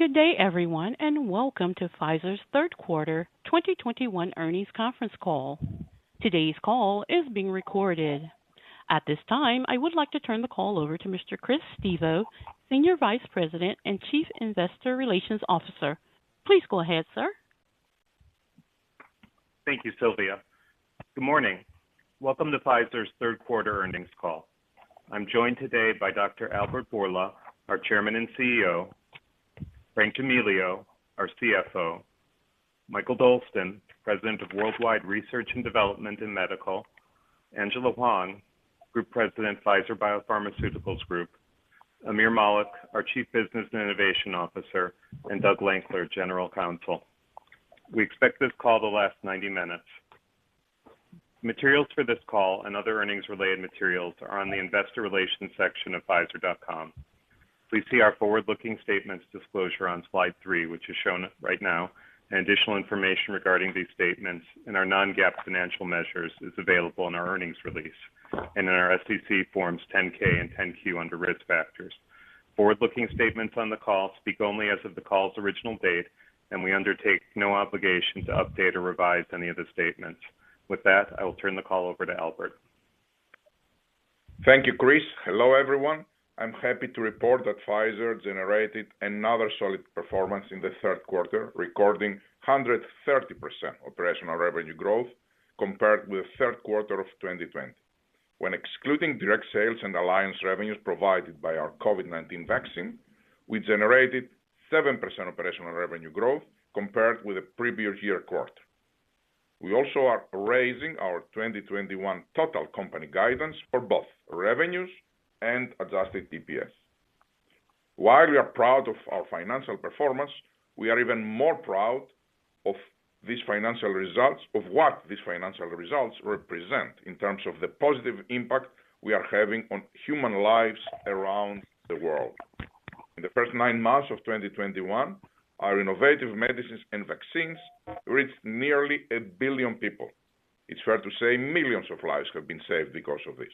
Good day, everyone, and welcome to Pfizer's third quarter 2021 earnings conference call. Today's call is being recorded. At this time, I would like to turn the call over to Mr. Chris Stevo, Senior Vice President and Chief Investor Relations Officer. Please go ahead, sir. Thank you, Sylvia. Good morning. Welcome to Pfizer's third quarter earnings call. I'm joined today by Dr. Albert Bourla, our Chairman and CEO, Frank D'Amelio, our CFO, Mikael Dolsten, President of Worldwide Research and Development and Medical, Angela Hwang, Group President, Pfizer Biopharmaceuticals Group, Aamir Malik, our Chief Business and Innovation Officer, and Doug Lankler, General Counsel. We expect this call to last 90 minutes. Materials for this call and other earnings-related materials are on the investor relations section of pfizer.com. Please see our forward-looking statements disclosure on slide three, which is shown right now, and additional information regarding these statements and our non-GAAP financial measures is available in our earnings release and in our SEC forms 10-K and 10-Q under Risk Factors. Forward-looking statements on the call speak only as of the call's original date, and we undertake no obligation to update or revise any of the statements. With that, I will turn the call over to Albert. Thank you, Chris. Hello, everyone. I'm happy to report that Pfizer generated another solid performance in the third quarter, recording 130% operational revenue growth compared with third quarter of 2020. When excluding direct sales and alliance revenues provided by our COVID-19 vaccine, we generated 7% operational revenue growth compared with the previous year quarter. We also are raising our 2021 total company guidance for both revenues and adjusted EPS. While we are proud of our financial performance, we are even more proud of these financial results of what these financial results represent in terms of the positive impact we are having on human lives around the world. In the first nine months of 2021, our innovative medicines and vaccines reached nearly 1 billion people. It's fair to say millions of lives have been saved because of this.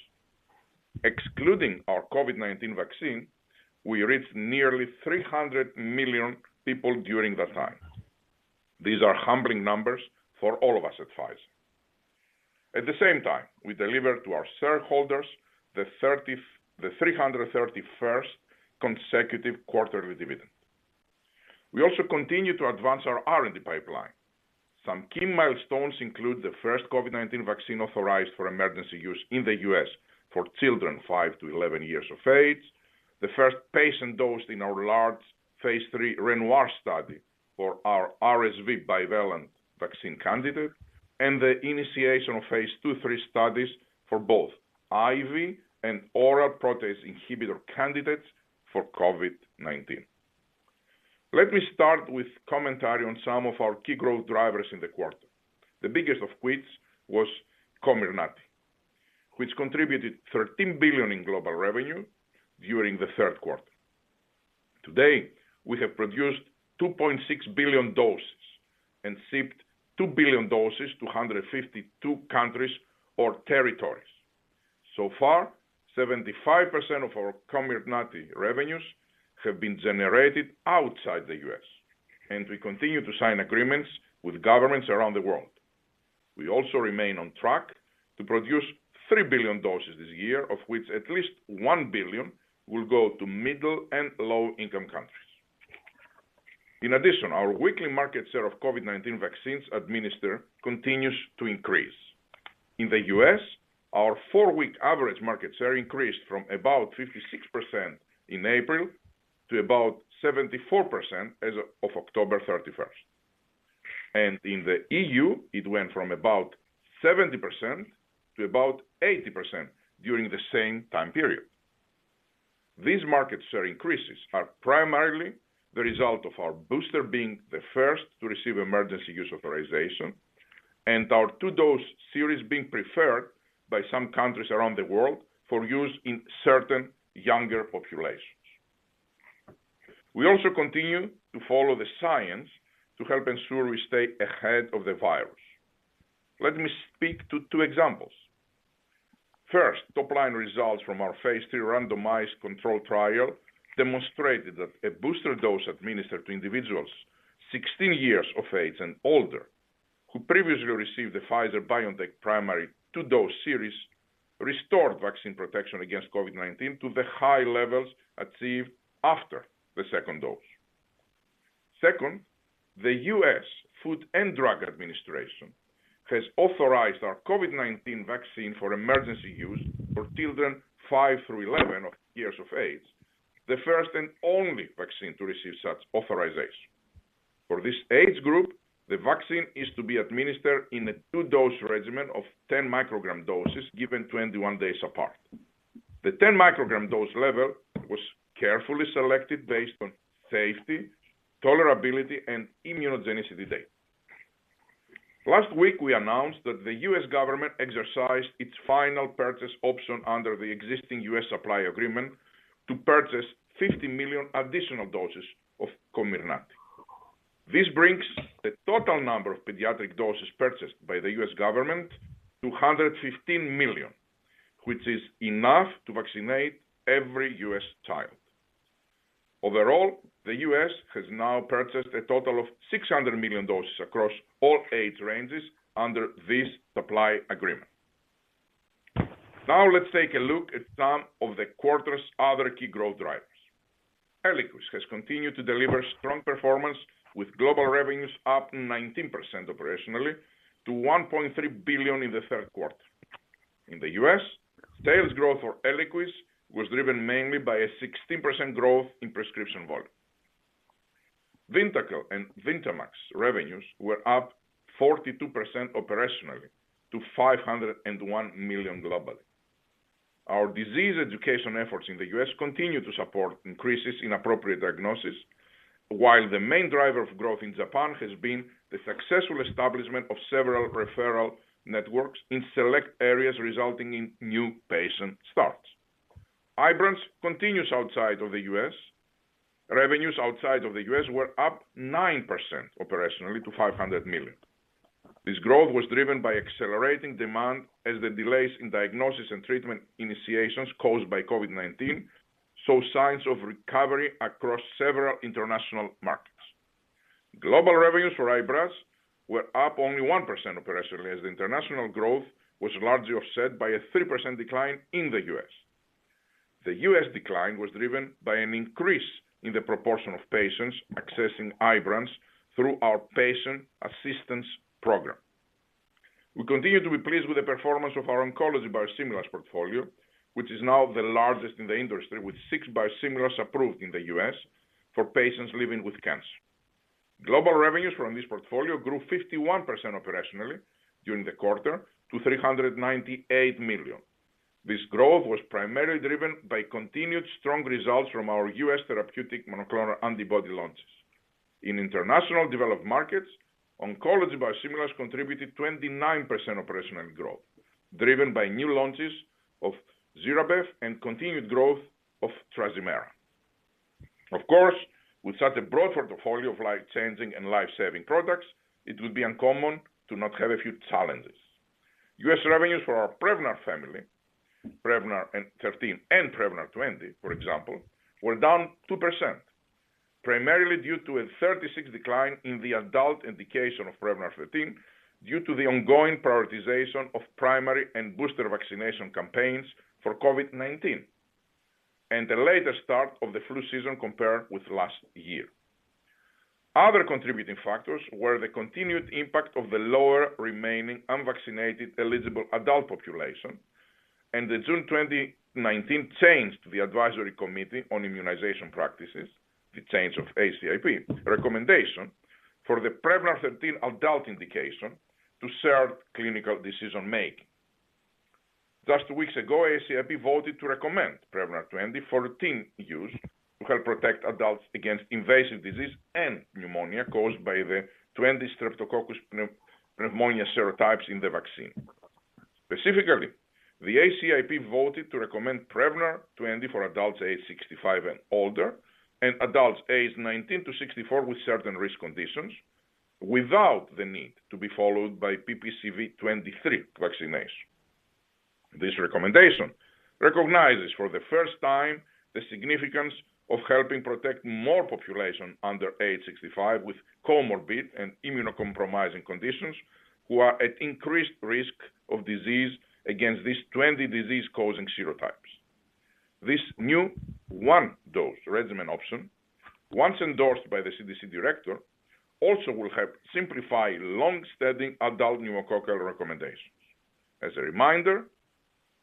Excluding our COVID-19 vaccine, we reached nearly 300 million people during that time. These are humbling numbers for all of us at Pfizer. At the same time, we delivered to our shareholders the 331st consecutive quarterly dividend. We also continue to advance our R&D pipeline. Some key milestones include the first COVID-19 vaccine authorized for emergency use in the U.S. for children five to 11 years of age, the first patient dosed in our large phase III RENOIR study for our RSV bivalent vaccine candidate, and the initiation of phase II/III studies for both IV and oral protease inhibitor candidates for COVID-19. Let me start with commentary on some of our key growth drivers in the quarter. The biggest of which was COMIRNATY, which contributed $13 billion in global revenue during the third quarter. Today, we have produced 2.6 billion doses and shipped 2 billion doses to 152 countries or territories. So far, 75% of our COMIRNATY revenues have been generated outside the U.S., and we continue to sign agreements with governments around the world. We also remain on track to produce 3 billion doses this year, of which at least 1 billion will go to middle- and low-income countries. In addition, our weekly market share of COVID-19 vaccines administered continues to increase. In the U.S., our four-week average market share increased from about 56% in April to about 74% as of October 31st. In the EU, it went from about 70% to about 80% during the same time period. These market share increases are primarily the result of our booster being the first to receive emergency use authorization and our two-dose series being preferred by some countries around the world for use in certain younger populations. We also continue to follow the science to help ensure we stay ahead of the virus. Let me speak to two examples. First, top-line results from our phase III randomized controlled trial demonstrated that a booster dose administered to individuals 16 years of age and older who previously received the Pfizer-BioNTech primary two-dose series restored vaccine protection against COVID-19 to the high levels achieved after the second dose. Second, the U.S. Food and Drug Administration has authorized our COVID-19 vaccine for emergency use for children five through 11 years of age, the first and only vaccine to receive such authorization. For this age group, the vaccine is to be administered in a 2-dose regimen of 10 microgram doses given 21 days apart. The 10 microgram dose level was carefully selected based on safety, tolerability, and immunogenicity data. Last week, we announced that the U.S. government exercised its final purchase option under the existing U.S. supply agreement to purchase 50 million additional doses of COMIRNATY. this brings the total number of pediatric doses purchased by the U.S. government to 115 million, which is enough to vaccinate every U.S. child. Overall, the U.S. has now purchased a total of 600 million doses across all age ranges under this supply agreement. Now let's take a look at some of the quarter's other key growth drivers. ELIQUIS has continued to deliver strong performance with global revenues up 19% operationally to $1.3 billion in the third quarter. In the U.S., sales growth for ELIQUIS was driven mainly by a 16% growth in prescription volume. VYNDAQEL and VYNDAMAX revenues were up 42% operationally to $501 million globally. Our disease education efforts in the U.S. continue to support increases in appropriate diagnosis. The main driver of growth in Japan has been the successful establishment of several referral networks in select areas, resulting in new patient starts. IBRANCE revenues outside of the U.S. were up 9% operationally to $500 million. This growth was driven by accelerating demand as the delays in diagnosis and treatment initiations caused by COVID-19 show signs of recovery across several international markets. Global revenues for IBRANCE were up only 1% operationally as international growth was largely offset by a 3% decline in the U.S. The U.S. decline was driven by an increase in the proportion of patients accessing IBRANCE through our patient assistance program. We continue to be pleased with the performance of our oncology biosimilars portfolio, which is now the largest in the industry, with six biosimilars approved in the U.S. for patients living with cancer. Global revenues from this portfolio grew 51% operationally during the quarter to $398 million. This growth was primarily driven by continued strong results from our U.S. therapeutic monoclonal antibody launches. In international developed markets, oncology biosimilars contributed 29% operational growth, driven by new launches of ZIRABEV and continued growth of TRAZIMERA. Of course, with such a broad portfolio of life-changing and life-saving products, it would be uncommon to not have a few challenges. U.S. revenues for our Prevnar family, Prevnar 13 and Prevnar 20, for example, were down 2%, primarily due to a 36% decline in the adult indication of Prevnar 13 due to the ongoing prioritization of primary and booster vaccination campaigns for COVID-19, and the later start of the flu season compared with last year. Other contributing factors were the continued impact of the lower remaining unvaccinated eligible adult population and the June 2019 change to the ACIP recommendation for the Prevnar 13 adult indication to serve clinical decision-making. Just weeks ago, ACIP voted to recommend Prevnar 20 for adult use to help protect adults against invasive disease and pneumonia caused by the 20 Streptococcus pneumoniae serotypes in the vaccine. Specifically, the ACIP voted to recommend Prevnar 20 for adults aged 65 and older, and adults aged 19-64 with certain risk conditions, without the need to be followed by PPSV23 vaccination. This recommendation recognizes for the first time the significance of helping protect more population under age 65 with comorbid and immunocompromising conditions who are at increased risk of disease against these 20 disease-causing serotypes. This new one-dose regimen option, once endorsed by the CDC director, also will help simplify long-standing adult pneumococcal recommendations. As a reminder,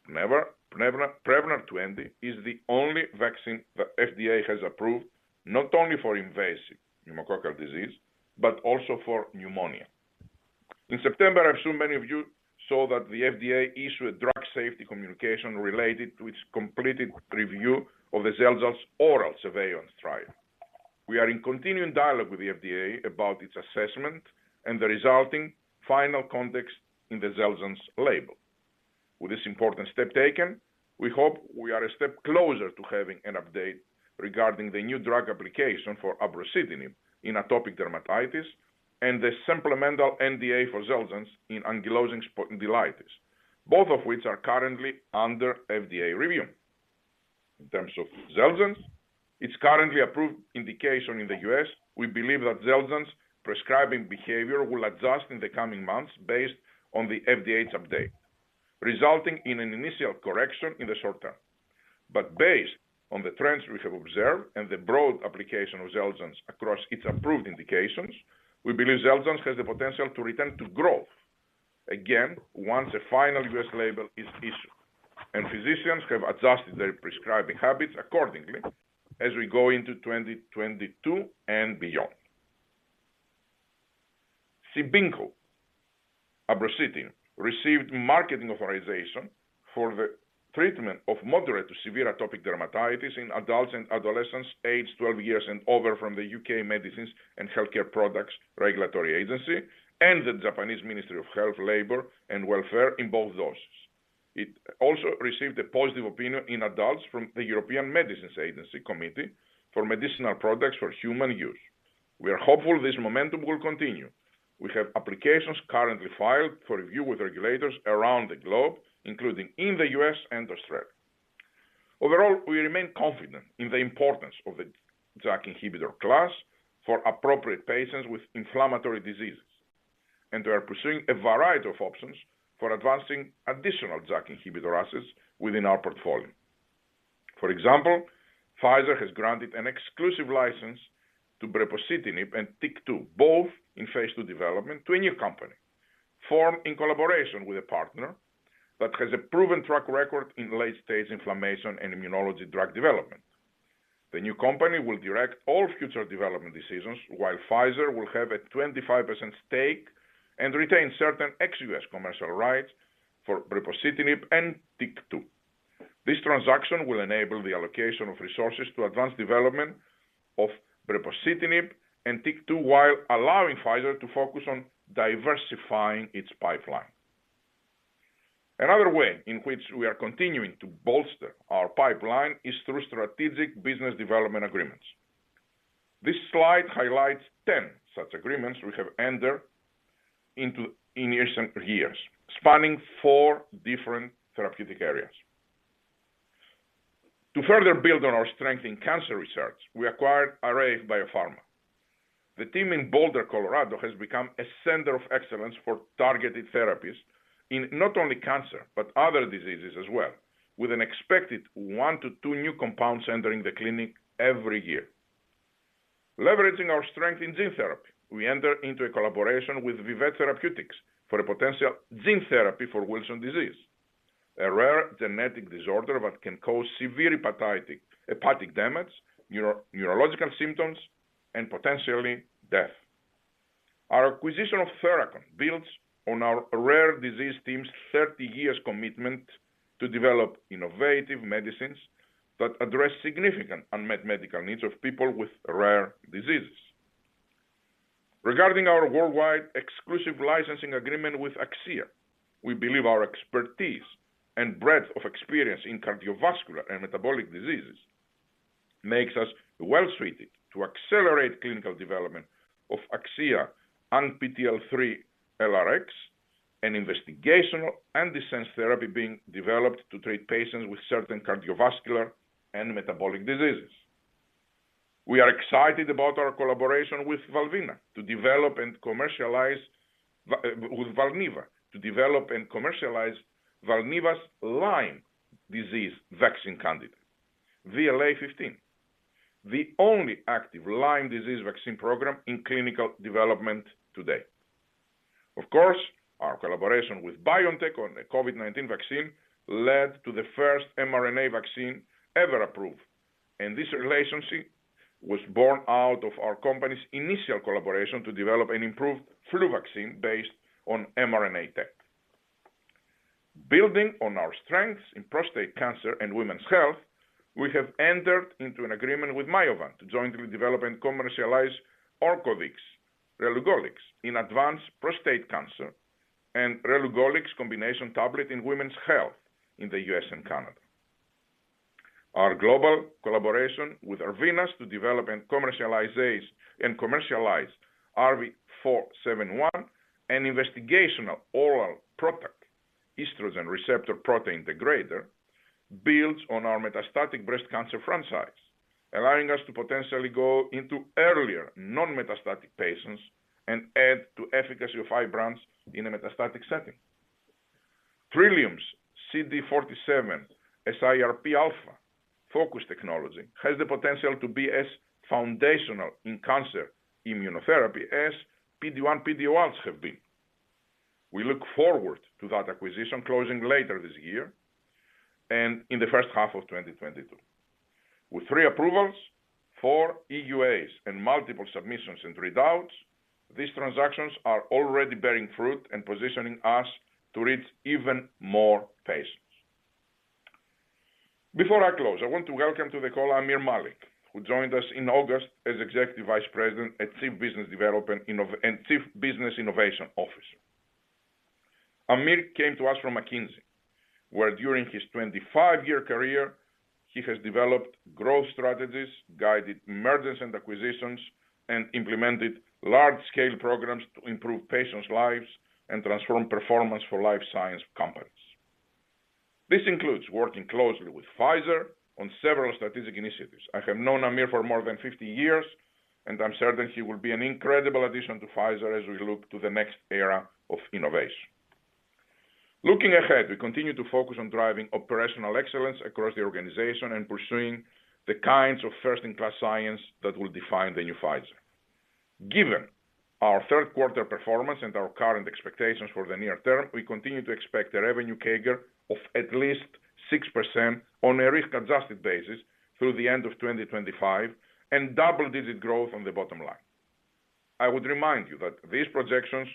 Prevnar 20 is the only vaccine the FDA has approved not only for invasive pneumococcal disease, but also for pneumonia. In September, I'm sure many of you saw that the FDA issued a drug safety communication related to its completed review of the XELJANZ ORAL Surveillance trial. We are in continuing dialogue with the FDA about its assessment and the resulting final context in the XELJANZ label. With this important step taken, we hope we are a step closer to having an update regarding the new drug application for abrocitinib in atopic dermatitis and the supplemental NDA for XELJANZ in ankylosing spondylitis, both of which are currently under FDA review. In terms of XELJANZ, its currently approved indication in the U.S., we believe that XELJANZ prescribing behavior will adjust in the coming months based on the FDA's update, resulting in an initial correction in the short term. Based on the trends we have observed and the broad application of XELJANZ across its approved indications, we believe XELJANZ has the potential to return to growth again once a final U.S. label is issued and physicians have adjusted their prescribing habits accordingly as we go into 2022 and beyond. CIBINQO, abrocitinib, received marketing authorization for the treatment of moderate to severe atopic dermatitis in adults and adolescents aged 12 years and over from the U.K. Medicines and Healthcare products Regulatory Agency and the Japanese Ministry of Health, Labour and Welfare in both doses. It also received a positive opinion in adults from the European Medicines Agency Committee for Medicinal Products for Human Use. We are hopeful this momentum will continue. We have applications currently filed for review with regulators around the globe, including in the U.S. and Australia. Overall, we remain confident in the importance of the JAK inhibitor class for appropriate patients with inflammatory diseases, and we are pursuing a variety of options for advancing additional JAK inhibitor assets within our portfolio. For example, Pfizer has granted an exclusive license to brepocitinib and TYK2, both in phase II development to a new company, formed in collaboration with a partner that has a proven track record in late-stage inflammation and immunology drug development. The new company will direct all future development decisions, while Pfizer will have a 25% stake and retain certain ex-U.S. commercial rights for brepocitinib and TYK2. This transaction will enable the allocation of resources to advance development of brepocitinib and TYK2 while allowing Pfizer to focus on diversifying its pipeline. Another way in which we are continuing to bolster our pipeline is through strategic business development agreements. This slide highlights 10 such agreements we have entered into in recent years, spanning four different therapeutic areas. To further build on our strength in cancer research, we acquired Array BioPharma. The team in Boulder, Colorado, has become a center of excellence for targeted therapies in not only cancer, but other diseases as well, with an expected one to two new compounds entering the clinic every year. Leveraging our strength in gene therapy, we enter into a collaboration with Vivet Therapeutics for a potential gene therapy for Wilson disease, a rare genetic disorder that can cause severe hepatic damage, neurological symptoms, and potentially death. Our acquisition of Therachon builds on our rare disease team's 30 years commitment to develop innovative medicines that address significant unmet medical needs of people with rare diseases. Regarding our worldwide exclusive licensing agreement with Akcea, we believe our expertise and breadth of experience in cardiovascular and metabolic diseases makes us well-suited to accelerate clinical development of AKCEA-ANGPTL3-LRx, an investigational antisense therapy being developed to treat patients with certain cardiovascular and metabolic diseases. We are excited about our collaboration with Valneva to develop and commercialize Valneva's Lyme disease vaccine candidate, VLA15, the only active Lyme disease vaccine program in clinical development today. Our collaboration with BioNTech on the COVID-19 vaccine led to the first mRNA vaccine ever approved, and this relationship was born out of our company's initial collaboration to develop an improved flu vaccine based on mRNA tech. Building on our strengths in prostate cancer and women's health, we have entered into an agreement with Myovant to jointly develop and commercialize ORGOVYX, relugolix, in advanced prostate cancer and relugolix combination tablet in women's health in the U.S. and Canada. Our global collaboration with Arvinas to develop and commercialize ARV-471, an investigational oral PROTAC estrogen receptor protein degrader, builds on our metastatic breast cancer franchise, allowing us to potentially go into earlier non-metastatic patients and add to efficacy of IBRANCE in a metastatic setting. Trillium's CD47 SIRPα-focused technology has the potential to be as foundational in cancer immunotherapy as PD-1, PD-L1 have been. We look forward to that acquisition closing later this year and in the first half of 2022. With three approvals, four EUAs, and multiple submissions in readouts, these transactions are already bearing fruit and positioning us to reach even more patients. Before I close, I want to welcome to the call Aamir Malik, who joined us in August as Executive Vice President and Chief Business and Innovation Officer. Aamir came to us from McKinsey, where during his 25-year career, he has developed growth strategies, guided mergers and acquisitions, and implemented large-scale programs to improve patients' lives and transform performance for life science companies. This includes working closely with Pfizer on several strategic initiatives. I have known Aamir for more than 50 years, and I'm certain he will be an incredible addition to Pfizer as we look to the next era of innovation. Looking ahead, we continue to focus on driving operational excellence across the organization and pursuing the kinds of first-in-class science that will define the new Pfizer. Given our third quarter performance and our current expectations for the near term, we continue to expect a revenue CAGR of at least 6% on a risk-adjusted basis through the end of 2025 and double-digit growth on the bottom line. I would remind you that these projections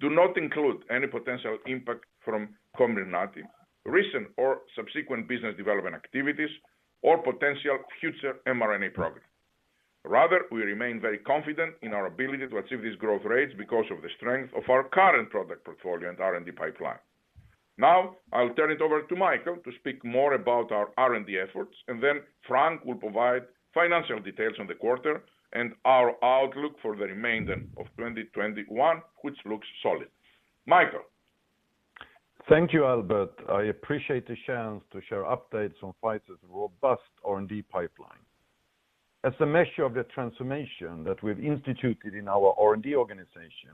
do not include any potential impact from COMIRNATY, recent or subsequent business development activities, or potential future mRNA programs. Rather, we remain very confident in our ability to achieve these growth rates because of the strength of our current product portfolio and R&D pipeline. Now, I'll turn it over to Mikael to speak more about our R&D efforts, and then Frank will provide financial details on the quarter and our outlook for the remainder of 2021, which looks solid. Mikael. Thank you, Albert. I appreciate the chance to share updates on Pfizer's robust R&D pipeline. As a measure of the transformation that we've instituted in our R&D organization,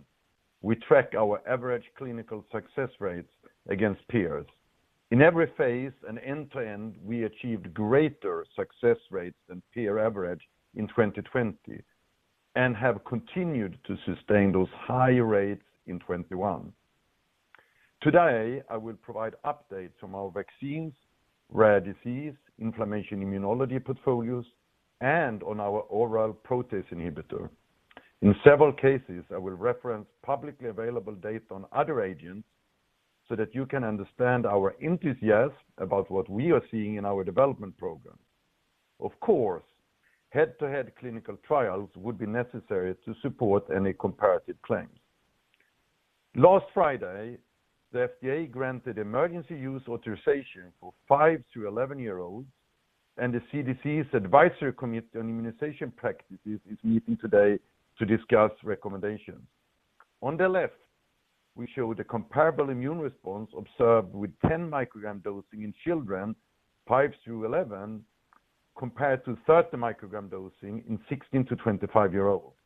we track our average clinical success rates against peers. In every phase and end-to-end, we achieved greater success rates than peer average in 2020 and have continued to sustain those high rates in 2021. Today, I will provide updates from our vaccines, rare disease, inflammation immunology portfolios, and on our oral protease inhibitor. In several cases, I will reference publicly available data on other agents so that you can understand our enthusiasm about what we are seeing in our development program. Of course, head-to-head clinical trials would be necessary to support any comparative claims. Last Friday, the FDA granted emergency use authorization for five to 11-year-olds, and the CDC's Advisory Committee on Immunization Practices is meeting today to discuss recommendations. On the left, we show the comparable immune response observed with 10 microgram dosing in children five through 11 compared to 30 microgram dosing in 16- to 25-year-olds.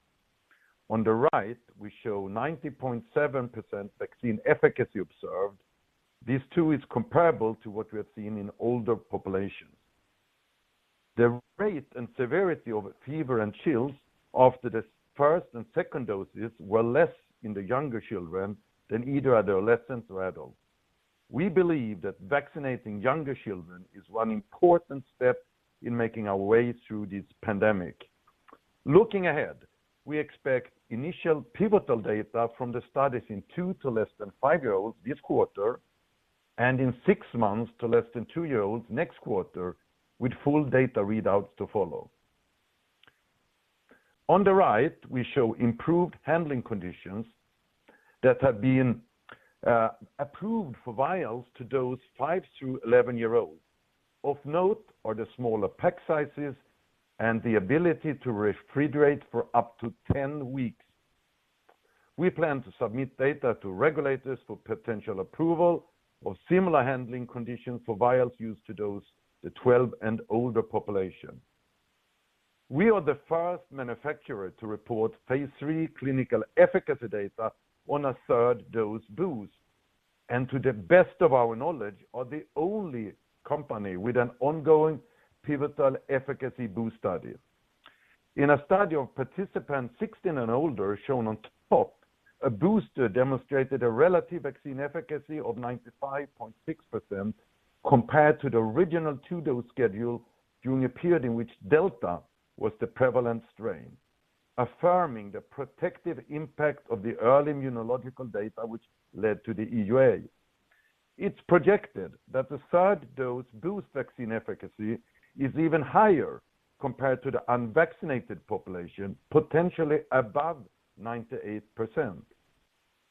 On the right, we show 90.7% vaccine efficacy observed. This too is comparable to what we have seen in older populations. The rate and severity of fever and chills after the first and second doses were less in the younger children than either adolescents or adults. We believe that vaccinating younger children is one important step in making our way through this pandemic. Looking ahead, we expect initial pivotal data from the studies in two to less than five year-olds this quarter and in six months to less than two year-olds next quarter, with full data readouts to follow. On the right, we show improved handling conditions that have been approved for vials to dose five to 11-year-olds. Of note are the smaller pack sizes and the ability to refrigerate for up to 10 weeks. We plan to submit data to regulators for potential approval of similar handling conditions for vials used to dose the 12 and older population. We are the first manufacturer to report phase III clinical efficacy data on a third dose boost, and to the best of our knowledge, are the only company with an ongoing pivotal efficacy boost study. In a study of participants 16 and older shown on top, a booster demonstrated a relative vaccine efficacy of 95.6% compared to the original two-dose schedule during a period in which Delta was the prevalent strain, affirming the protective impact of the early immunological data which led to the EUA. It's projected that the third dose boost vaccine efficacy is even higher compared to the unvaccinated population, potentially above 98%.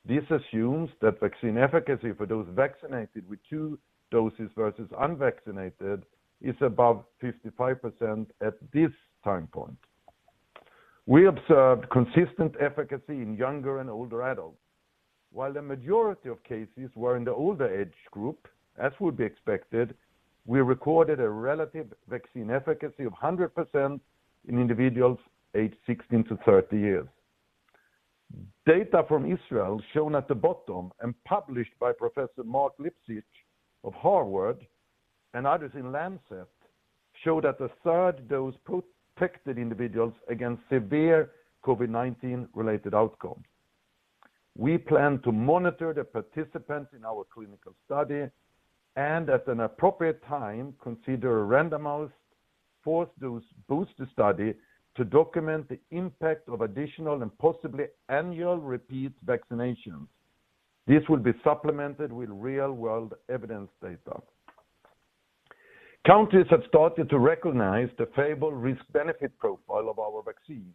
This assumes that vaccine efficacy for those vaccinated with two doses versus unvaccinated is above 55% at this time point. We observed consistent efficacy in younger and older adults. While the majority of cases were in the older age group, as would be expected, we recorded a relative vaccine efficacy of 100% in individuals aged 16 years-30 years. Data from Israel shown at the bottom and published by Professor Marc Lipsitch of Harvard and others in Lancet show that the third dose protected individuals against severe COVID-19 related outcomes. We plan to monitor the participants in our clinical study and at an appropriate time, consider a randomized fourth dose booster study to document the impact of additional and possibly annual repeat vaccinations. This will be supplemented with real-world evidence data. Countries have started to recognize the favorable risk-benefit profile of our vaccine.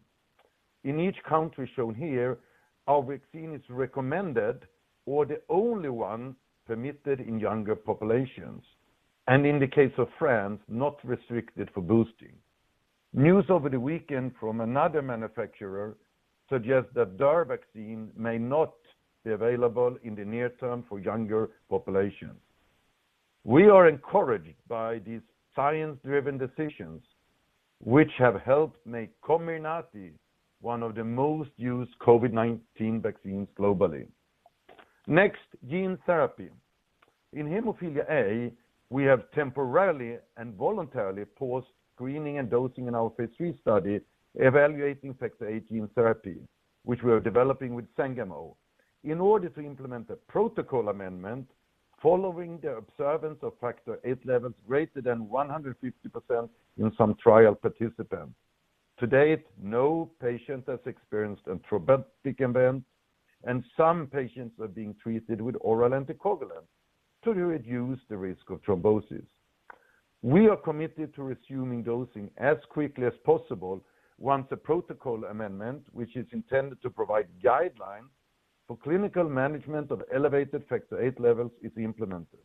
In each country shown here, our vaccine is recommended or the only one permitted in younger populations, and in the case of France, not restricted for boosting. News over the weekend from another manufacturer suggests that their vaccine may not be available in the near term for younger populations. We are encouraged by these science-driven decisions which have helped make COMIRNATY one of the most used COVID-19 vaccines globally. Next, gene therapy. In hemophilia A, we have temporarily and voluntarily paused screening and dosing in our phase III study evaluating Factor VIII gene therapy, which we are developing with Sangamo, in order to implement a protocol amendment following the observance of factor VIII levels greater than 100% in some trial participants. To date, no patient has experienced a thrombotic event, and some patients are being treated with oral anticoagulant to reduce the risk of thrombosis. We are committed to resuming dosing as quickly as possible once a protocol amendment, which is intended to provide guidelines for clinical management of elevated Factor VIII levels, is implemented.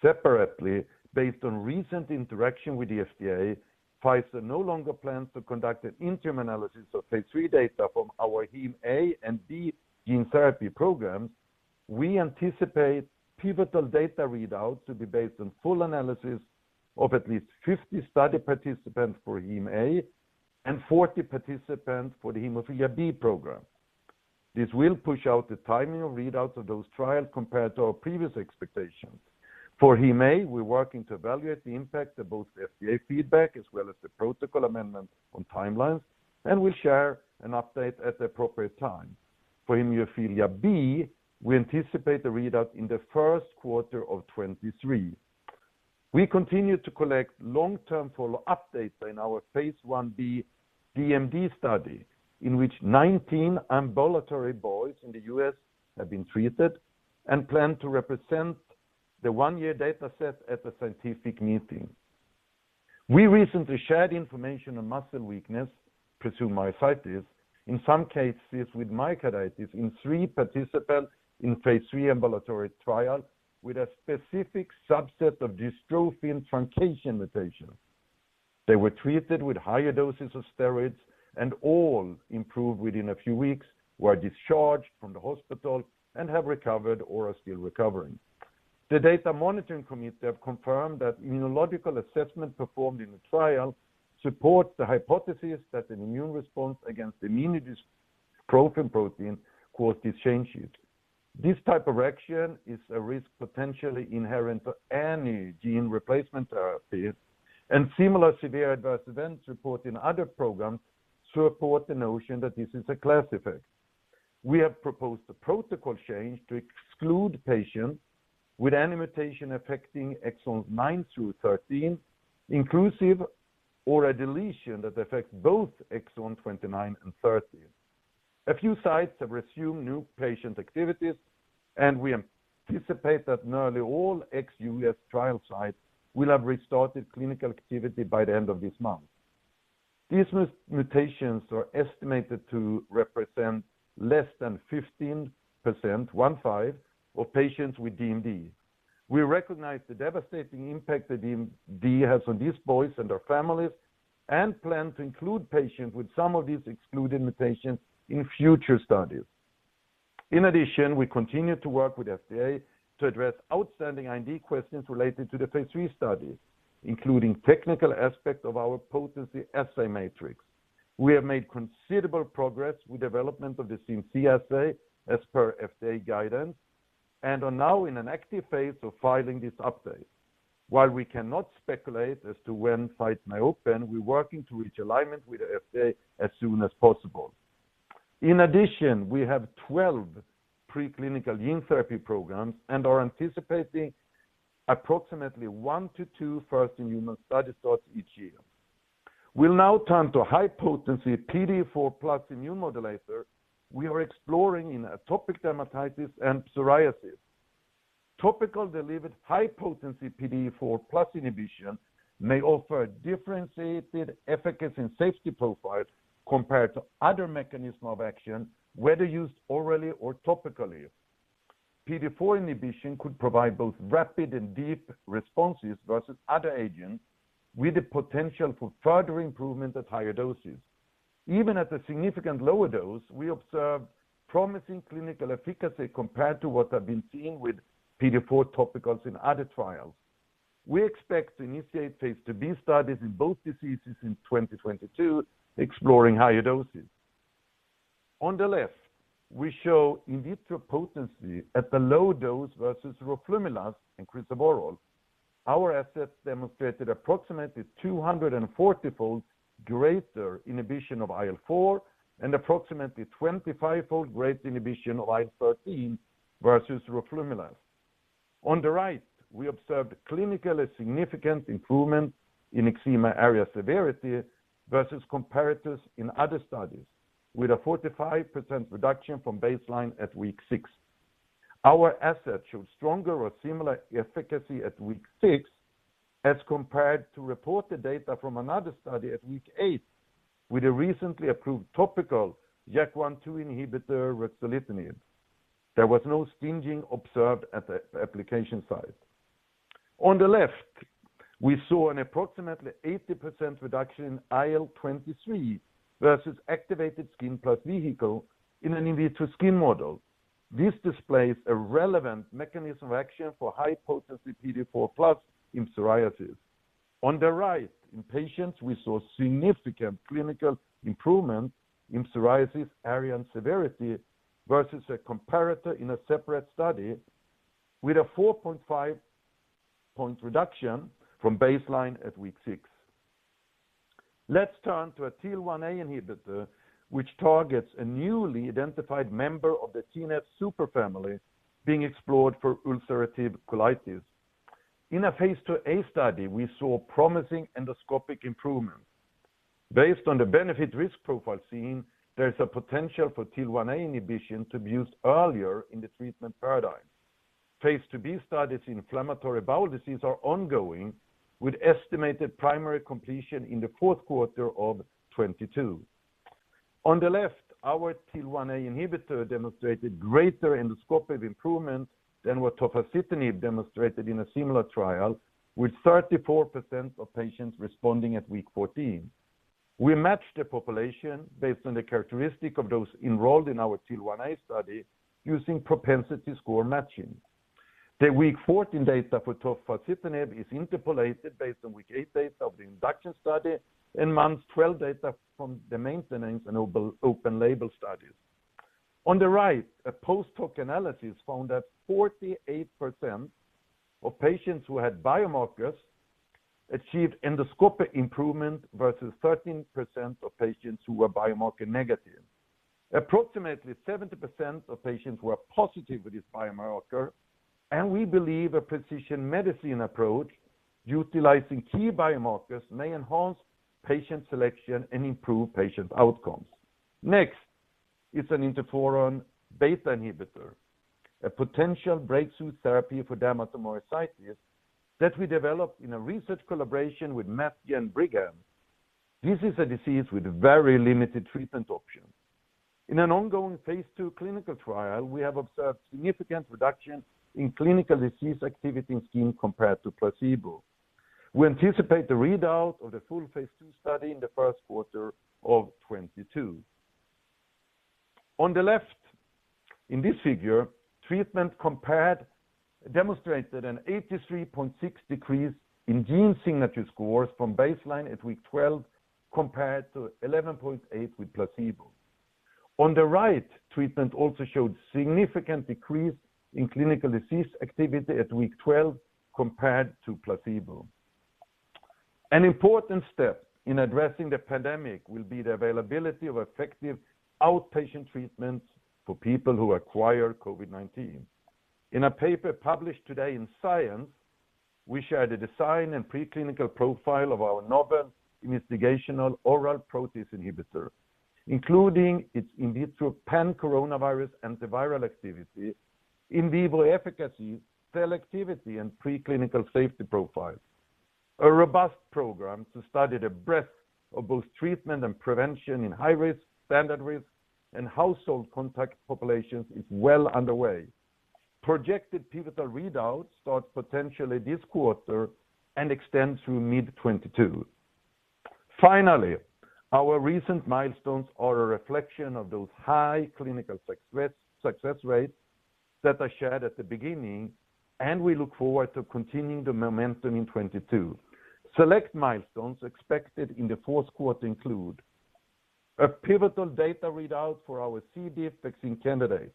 Separately, based on recent interaction with the FDA, Pfizer no longer plans to conduct an interim analysis of phase III data from our hem A and B gene therapy programs. We anticipate pivotal data readout to be based on full analysis of at least 50 study participants for hem A and 40 participants for the hemophilia B program. This will push out the timing of readouts of those trials compared to our previous expectations. For hem A, we're working to evaluate the impact of both the FDA feedback as well as the protocol amendment on timelines, and we'll share an update at the appropriate time. For hemophilia B, we anticipate the readout in the first quarter of 2023. We continue to collect long-term follow-up data in our phase I-b DMD study, in which 19 ambulatory boys in the U.S. have been treated and plan to represent the one-year data set at the scientific meeting. We recently shared information on muscle weakness, presumed myositis, in some cases with myocarditis in three participants in phase III ambulatory trial with a specific subset of dystrophin truncation mutations. They were treated with higher doses of steroids, and all improved within a few weeks, were discharged from the hospital, and have recovered or are still recovering. The data monitoring committee have confirmed that immunological assessment performed in the trial supports the hypothesis that an immune response against the mini-dystrophin protein caused these changes. This type of reaction is a risk potentially inherent to any gene replacement therapies, and similar severe adverse events reported in other programs support the notion that this is a class effect. We have proposed a protocol change to exclude patients with any mutation affecting exons nine through 13 inclusive or a deletion that affects both exon 29 and 30. A few sites have resumed new patient activities, and we anticipate that nearly all ex-U.S. trial sites will have restarted clinical activity by the end of this month. These mutations are estimated to represent less than 15% of patients with DMD. We recognize the devastating impact that DMD has on these boys and their families and plan to include patients with some of these excluded mutations in future studies. In addition, we continue to work with FDA to address outstanding IND questions related to the phase III study, including technical aspects of our potency assay matrix. We have made considerable progress with development of the CMC assay as per FDA guidance and are now in an active phase of filing this update. While we cannot speculate as to when sites may open, we're working to reach alignment with the FDA as soon as possible. In addition, we have 12 preclinical gene therapy programs and are anticipating approximately 1-2 first human study starts each year. We'll now turn to high potency PDE4+ immunomodulator we are exploring in atopic dermatitis and psoriasis. Topical delivered high potency PDE4+ inhibition may offer a differentiated efficacy and safety profile compared to other mechanism of action, whether used orally or topically. PDE4 inhibition could provide both rapid and deep responses versus other agents with the potential for further improvement at higher doses. Even at a significant lower dose, we observed promising clinical efficacy compared to what I've been seeing with PDE4 topicals in other trials. We expect to initiate phase II-b studies in both diseases in 2022, exploring higher doses. On the left, we show in vitro potency at the low dose versus roflumilast and crisaborole. Our assets demonstrated approximately 240-fold greater inhibition of IL-4 and approximately 25-fold greater inhibition of IL-13 versus roflumilast. On the right, we observed clinically significant improvement in eczema area severity versus comparators in other studies, with a 45% reduction from baseline at week six. Our assets showed stronger or similar efficacy at week six as compared to reported data from another study at week eight with a recently approved topical JAK1/2 inhibitor, ruxolitinib. There was no stinging observed at the application site. On the left, we saw an approximately 80% reduction in IL-23 versus activated skin plus vehicle in an in vitro skin model. This displays a relevant mechanism of action for high potency PDE4+ in psoriasis. On the right, in patients, we saw significant clinical improvement in psoriasis area and severity versus a comparator in a separate study with a 4.5-point reduction from baseline at week six. Let's turn to a TL1A inhibitor which targets a newly identified member of the TNF superfamily being explored for ulcerative colitis. In a phase II-a study, we saw promising endoscopic improvement. Based on the benefit-risk profile seen, there is a potential for TL1A inhibition to be used earlier in the treatment paradigm. Phase II-b studies in inflammatory bowel disease are ongoing with estimated primary completion in the fourth quarter of 2022. On the left, our TL1A inhibitor demonstrated greater endoscopic improvements than what tofacitinib demonstrated in a similar trial, with 34% of patients responding at week 14. We matched the population based on the characteristic of those enrolled in our TL1A study using propensity score matching. The week 14 data for tofacitinib is interpolated based on week 8 data of the induction study and month 12 data from the maintenance and open-label studies. On the right, a post-hoc analysis found that 48% of patients who had biomarkers achieved endoscopic improvement versus 13% of patients who were biomarker negative. Approximately 70% of patients were positive with this biomarker, and we believe a precision medicine approach utilizing key biomarkers may enhance patient selection and improve patient outcomes. Next is an interferon beta inhibitor, a potential breakthrough therapy for dermatomyositis that we developed in a research collaboration with Mass General Brigham. This is a disease with very limited treatment options. In an ongoing phase II clinical trial, we have observed significant reduction in clinical disease activity seen compared to placebo. We anticipate the readout of the full phase II study in the first quarter of 2022. On the left in this figure, treatment compared demonstrated an 83.6 decrease in gene signature scores from baseline at week 12 compared to 11.8 with placebo. On the right, treatment also showed significant decrease in clinical disease activity at week 12 compared to placebo. An important step in addressing the pandemic will be the availability of effective outpatient treatments for people who acquire COVID-19. In a paper published today in Science, we share the design and preclinical profile of our novel investigational oral protease inhibitor, including its in vitro pan-coronavirus antiviral activity, in vivo efficacy, selectivity and preclinical safety profile. A robust program to study the breadth of both treatment and prevention in high risk, standard risk and household contact populations is well underway. Projected pivotal readouts start potentially this quarter and extend through mid-2022. Finally, our recent milestones are a reflection of those high clinical success rates that I shared at the beginning, and we look forward to continuing the momentum in 2022. Select milestones expected in the fourth quarter include a pivotal data readout for our C. diff vaccine candidate,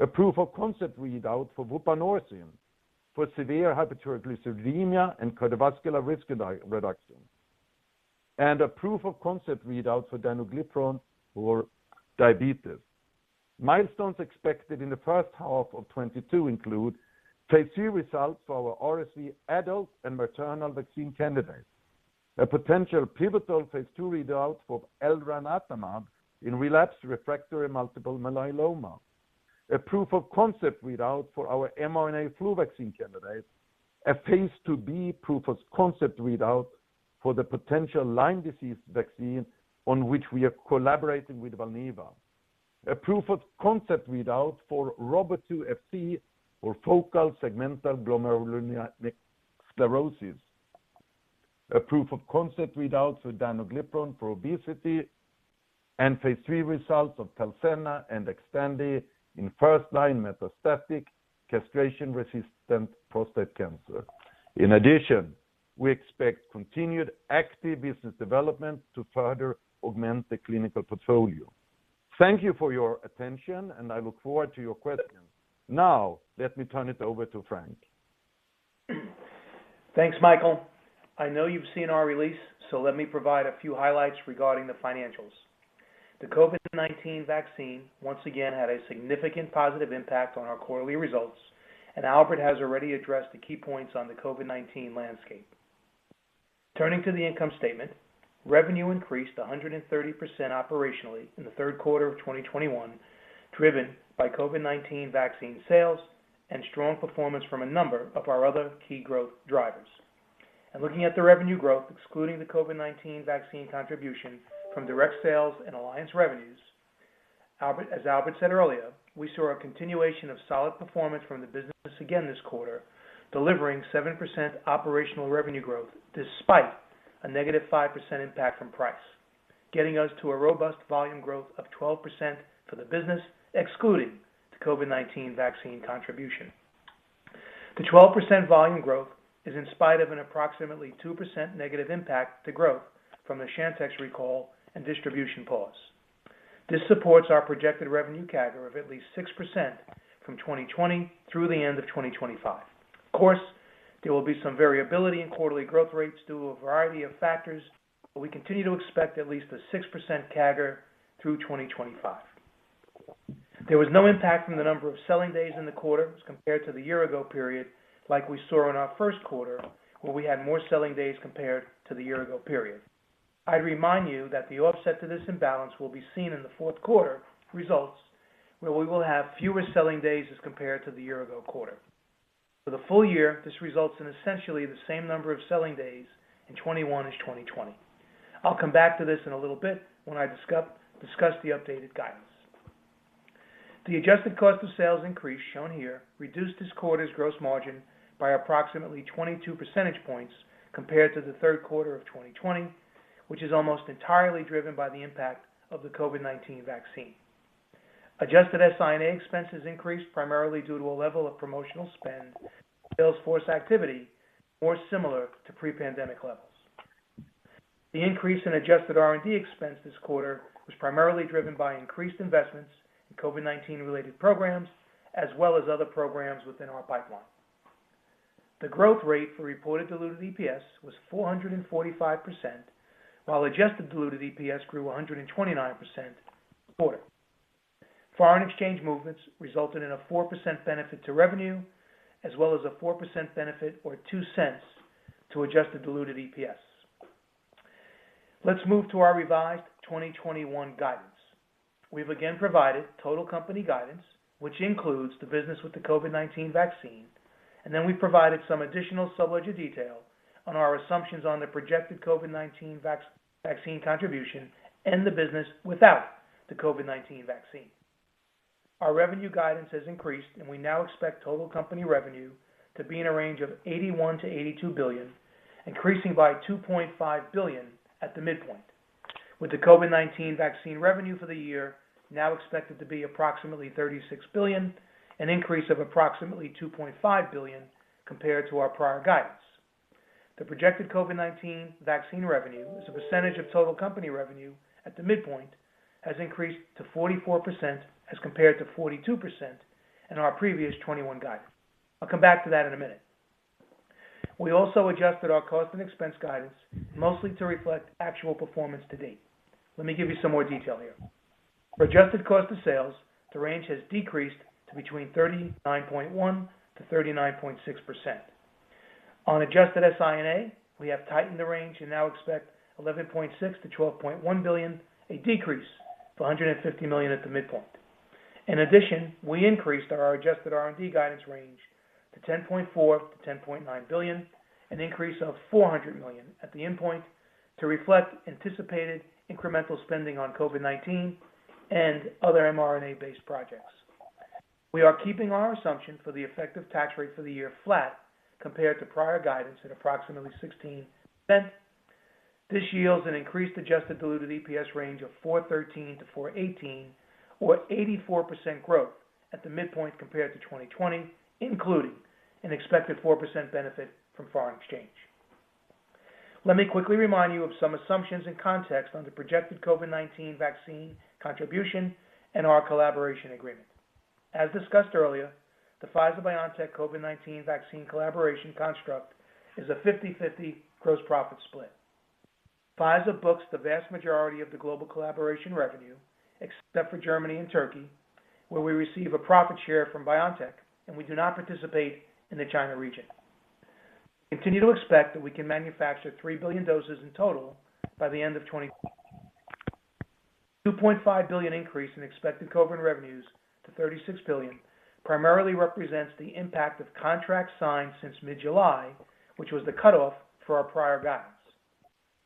a proof of concept readout for vupanorsen for severe hypertriglyceridemia and cardiovascular risk reduction, and a proof of concept readout for danuglipron for diabetes. Milestones expected in the first half of 2022 include phase III results for our RSV adult and maternal vaccine candidate, a potential pivotal phase II readout for elranatamab in relapsed refractory multiple myeloma, a proof of concept readout for our mRNA flu vaccine candidate, a phase II-b proof of concept readout for the potential Lyme disease vaccine on which we are collaborating with Valneva, a proof of concept readout for PF-06730512 for focal segmental glomerulosclerosis, a proof of concept readout for danuglipron for obesity and phase III results of TALZENNA and XTANDI in first-line metastatic castration-resistant prostate cancer. In addition, we expect continued active business development to further augment the clinical portfolio. Thank you for your attention, and I look forward to your questions. Now let me turn it over to Frank. Thanks, Mikael. I know you've seen our release, so let me provide a few highlights regarding the financials. The COVID-19 vaccine once again had a significant positive impact on our quarterly results, and Albert has already addressed the key points on the COVID-19 landscape. Turning to the income statement, revenue increased 130% operationally in the third quarter of 2021, driven by COVID-19 vaccine sales and strong performance from a number of our other key growth drivers. Looking at the revenue growth, excluding the COVID-19 vaccine contribution from direct sales and alliance revenues, Albert, as Albert said earlier, we saw a continuation of solid performance from the business again this quarter, delivering 7% operational revenue growth despite a -5% impact from price, getting us to a robust volume growth of 12% for the business, excluding the COVID-19 vaccine contribution. The 12% volume growth is in spite of an approximately 2%- impact to growth from the Chantix recall and distribution pause. This supports our projected revenue CAGR of at least 6% from 2020 through the end of 2025. Of course, there will be some variability in quarterly growth rates due to a variety of factors, but we continue to expect at least a 6% CAGR through 2025. There was no impact from the number of selling days in the quarter as compared to the year ago period like we saw in our first quarter, where we had more selling days compared to the year ago period. I'd remind you that the offset to this imbalance will be seen in the fourth quarter results, where we will have fewer selling days as compared to the year ago quarter. For the full year, this results in essentially the same number of selling days in 2021 as 2020. I'll come back to this in a little bit when I discuss the updated guidance. The adjusted cost of sales increase shown here reduced this quarter's gross margin by approximately 22 percentage points compared to the third quarter of 2020, which is almost entirely driven by the impact of the COVID-19 vaccine. Adjusted SI&A expenses increased primarily due to a level of promotional spend, sales force activity more similar to pre-pandemic levels. The increase in adjusted R&D expense this quarter was primarily driven by increased investments in COVID-19-related programs, as well as other programs within our pipeline. The growth rate for reported diluted EPS was 445%, while adjusted diluted EPS grew 129% for it. Foreign exchange movements resulted in a 4% benefit to revenue as well as a 4% benefit or $0.02 to adjusted diluted EPS. Let's move to our revised 2021 guidance. We've again provided total company guidance, which includes the business with the COVID-19 vaccine, and then we've provided some additional sub-ledger detail on our assumptions on the projected COVID-19 vaccine contribution and the business without the COVID-19 vaccine. Our revenue guidance has increased, and we now expect total company revenue to be in a range of $81 billion-$82 billion, increasing by $2.5 billion at the midpoint, with the COVID-19 vaccine revenue for the year now expected to be approximately $36 billion, an increase of approximately $2.5 billion compared to our prior guidance. The projected COVID-19 vaccine revenue as a percentage of total company revenue at the midpoint has increased to 44% as compared to 42% in our previous 2021 guidance. I'll come back to that in a minute. We also adjusted our cost and expense guidance mostly to reflect actual performance to date. Let me give you some more detail here. For adjusted cost of sales, the range has decreased to between 39.1%-39.6%. On adjusted SI&A, we have tightened the range and now expect $11.6 billion-$12.1 billion, a decrease of $150 million at the midpoint. In addition, we increased our adjusted R&D guidance range to $10.4 billion-$10.9 billion, an increase of $400 million at the endpoint to reflect anticipated incremental spending on COVID-19 and other mRNA-based projects. We are keeping our assumption for the effective tax rate for the year flat compared to prior guidance at approximately 16%. This yields an increased adjusted diluted EPS range of $4.13-$4.18 or 84% growth at the midpoint compared to 2020, including an expected 4% benefit from foreign exchange. Let me quickly remind you of some assumptions and context on the projected COVID-19 vaccine contribution and our collaboration agreement. As discussed earlier, the Pfizer-BioNTech COVID-19 vaccine collaboration construct is a 50/50 gross profit split. Pfizer books the vast majority of the global collaboration revenue, except for Germany and Turkey, where we receive a profit share from BioNTech, and we do not participate in the China region. We continue to expect that we can manufacture 3 billion doses in total by the end of 2021. $2.5 billion increase in expected COVID revenues to $36 billion primarily represents the impact of contracts signed since mid-July, which was the cutoff for our prior guidance.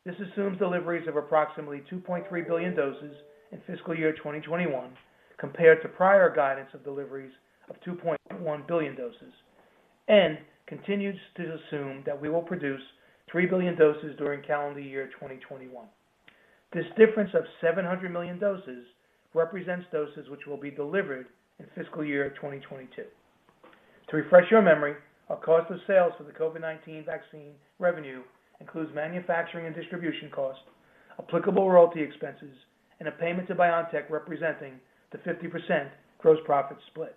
This assumes deliveries of approximately 2.3 billion doses in fiscal year 2021 compared to prior guidance of deliveries of 2.1 billion doses and continues to assume that we will produce 3 billion doses during calendar year 2021. This difference of 700 million doses represents doses which will be delivered in fiscal year 2022. To refresh your memory, our cost of sales for the COVID-19 vaccine revenue includes manufacturing and distribution costs, applicable royalty expenses, and a payment to BioNTech representing the 50% gross profit split.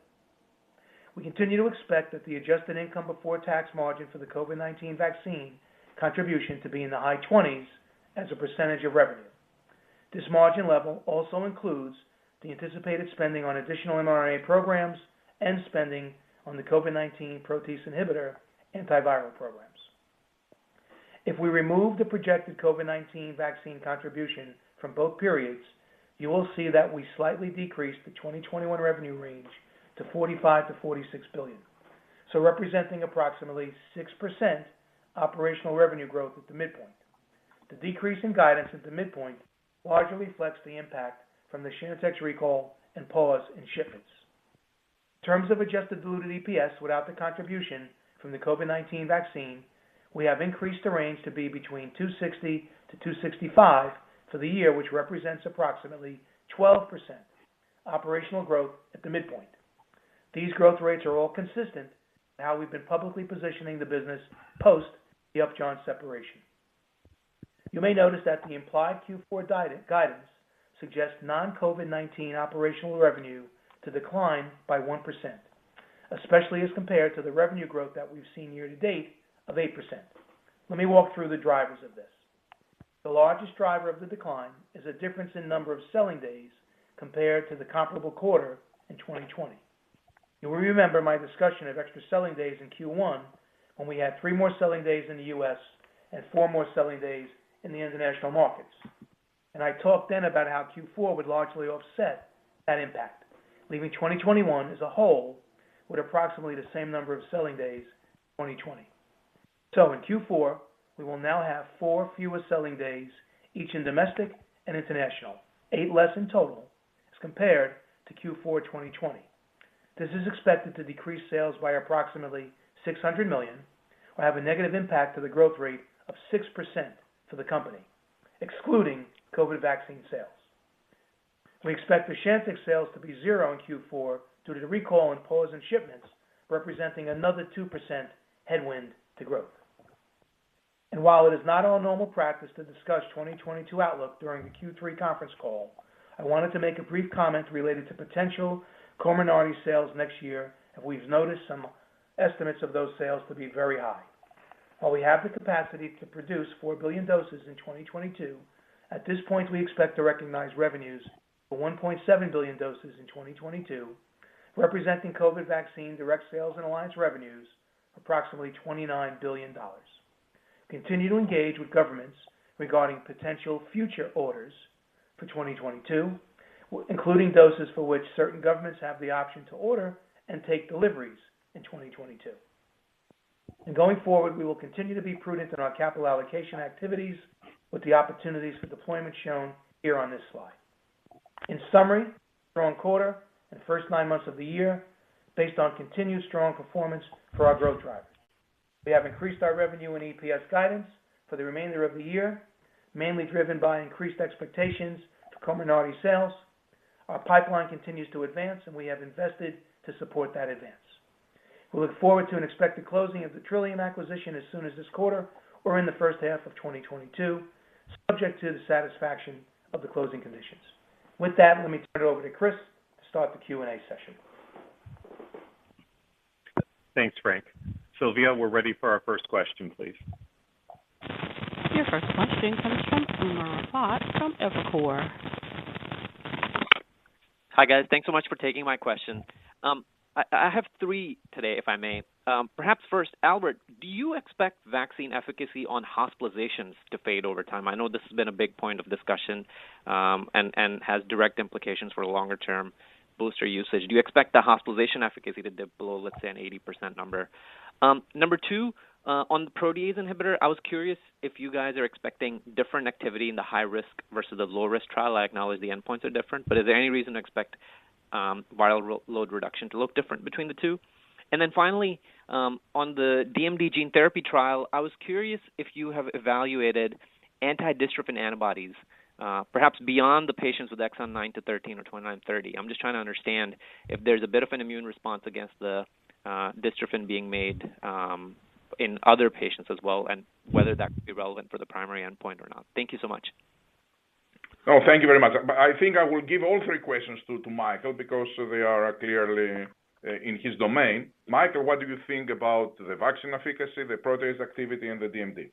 We continue to expect that the adjusted income before tax margin for the COVID-19 vaccine contribution to be in the high 20s as a percentage of revenue. This margin level also includes the anticipated spending on additional mRNA programs and spending on the COVID-19 protease inhibitor antiviral programs. If we remove the projected COVID-19 vaccine contribution from both periods, you will see that we slightly decreased the 2021 revenue range to $45 billion-$46 billion, so representing approximately 6% operational revenue growth at the midpoint. The decrease in guidance at the midpoint largely reflects the impact from the Chantix recall and pause in shipments. In terms of adjusted diluted EPS without the contribution from the COVID-19 vaccine, we have increased the range to be between $2.60-$2.65 for the year, which represents approximately 12% operational growth at the midpoint. These growth rates are all consistent in how we've been publicly positioning the business post the Upjohn separation. You may notice that the implied Q4 guidance suggests non-COVID-19 operational revenue to decline by 1%, especially as compared to the revenue growth that we've seen year to date of 8%. Let me walk through the drivers of this. The largest driver of the decline is a difference in number of selling days compared to the comparable quarter in 2020. You will remember my discussion of extra selling days in Q1 when we had three more selling days in the U.S. and four more selling days in the international markets. I talked then about how Q4 would largely offset that impact, leaving 2021 as a whole with approximately the same number of selling days, 2020. In Q4 we will now have four fewer selling days, each in domestic and international, eight less in total as compared to Q4 2020. This is expected to decrease sales by approximately $600 million, or have a negative impact to the growth rate of 6% to the company, excluding COVID vaccine sales. We expect Chantix sales to be zero in Q4 due to the recall and pause in shipments, representing another 2% headwind to growth. While it is not our normal practice to discuss 2022 outlook during the Q3 conference call, I wanted to make a brief comment related to potential COMIRNATY sales next year, and we've noticed some estimates of those sales to be very high. While we have the capacity to produce 4 billion doses in 2022, at this point we expect to recognize revenues for 1.7 billion doses in 2022, representing COVID vaccine direct sales and alliance revenues approximately $29 billion. Continue to engage with governments regarding potential future orders for 2022, including doses for which certain governments have the option to order and take deliveries in 2022. Going forward, we will continue to be prudent in our capital allocation activities with the opportunities for deployment shown here on this slide. In summary, strong quarter and first nine months of the year based on continued strong performance for our growth drivers. We have increased our revenue and EPS guidance for the remainder of the year, mainly driven by increased expectations to COMIRNATY sales. Our pipeline continues to advance, and we have invested to support that advance. We look forward to an expected closing of the Trillium acquisition as soon as this quarter or in the first half of 2022, subject to the satisfaction of the closing conditions. With that, let me turn it over to Chris to start the Q&A session. Thanks, Frank. Sylvia, we're ready for our first question, please. Your first question comes from Umer Raffat from Evercore. Hi, guys. Thanks so much for taking my question. I have three today, if I may. Perhaps first, Albert, do you expect vaccine efficacy on hospitalizations to fade over time? I know this has been a big point of discussion, and has direct implications for longer term booster usage. Do you expect the hospitalization efficacy to dip below, let's say, an 80% number? Number two, on the protease inhibitor, I was curious if you guys are expecting different activity in the high risk versus the low risk trial. I acknowledge the endpoints are different, but is there any reason to expect viral load reduction to look different between the two? Then finally, on the DMD gene therapy trial, I was curious if you have evaluated anti-dystrophin antibodies, perhaps beyond the patients with exon 9-13 or 29-30. I'm just trying to understand if there's a bit of an immune response against the dystrophin being made in other patients as well, and whether that could be relevant for the primary endpoint or not. Thank you so much. Oh, thank you very much. I think I will give all three questions to Mikael, because they are clearly in his domain. Mikael, what do you think about the vaccine efficacy, the protease activity, and the DMD?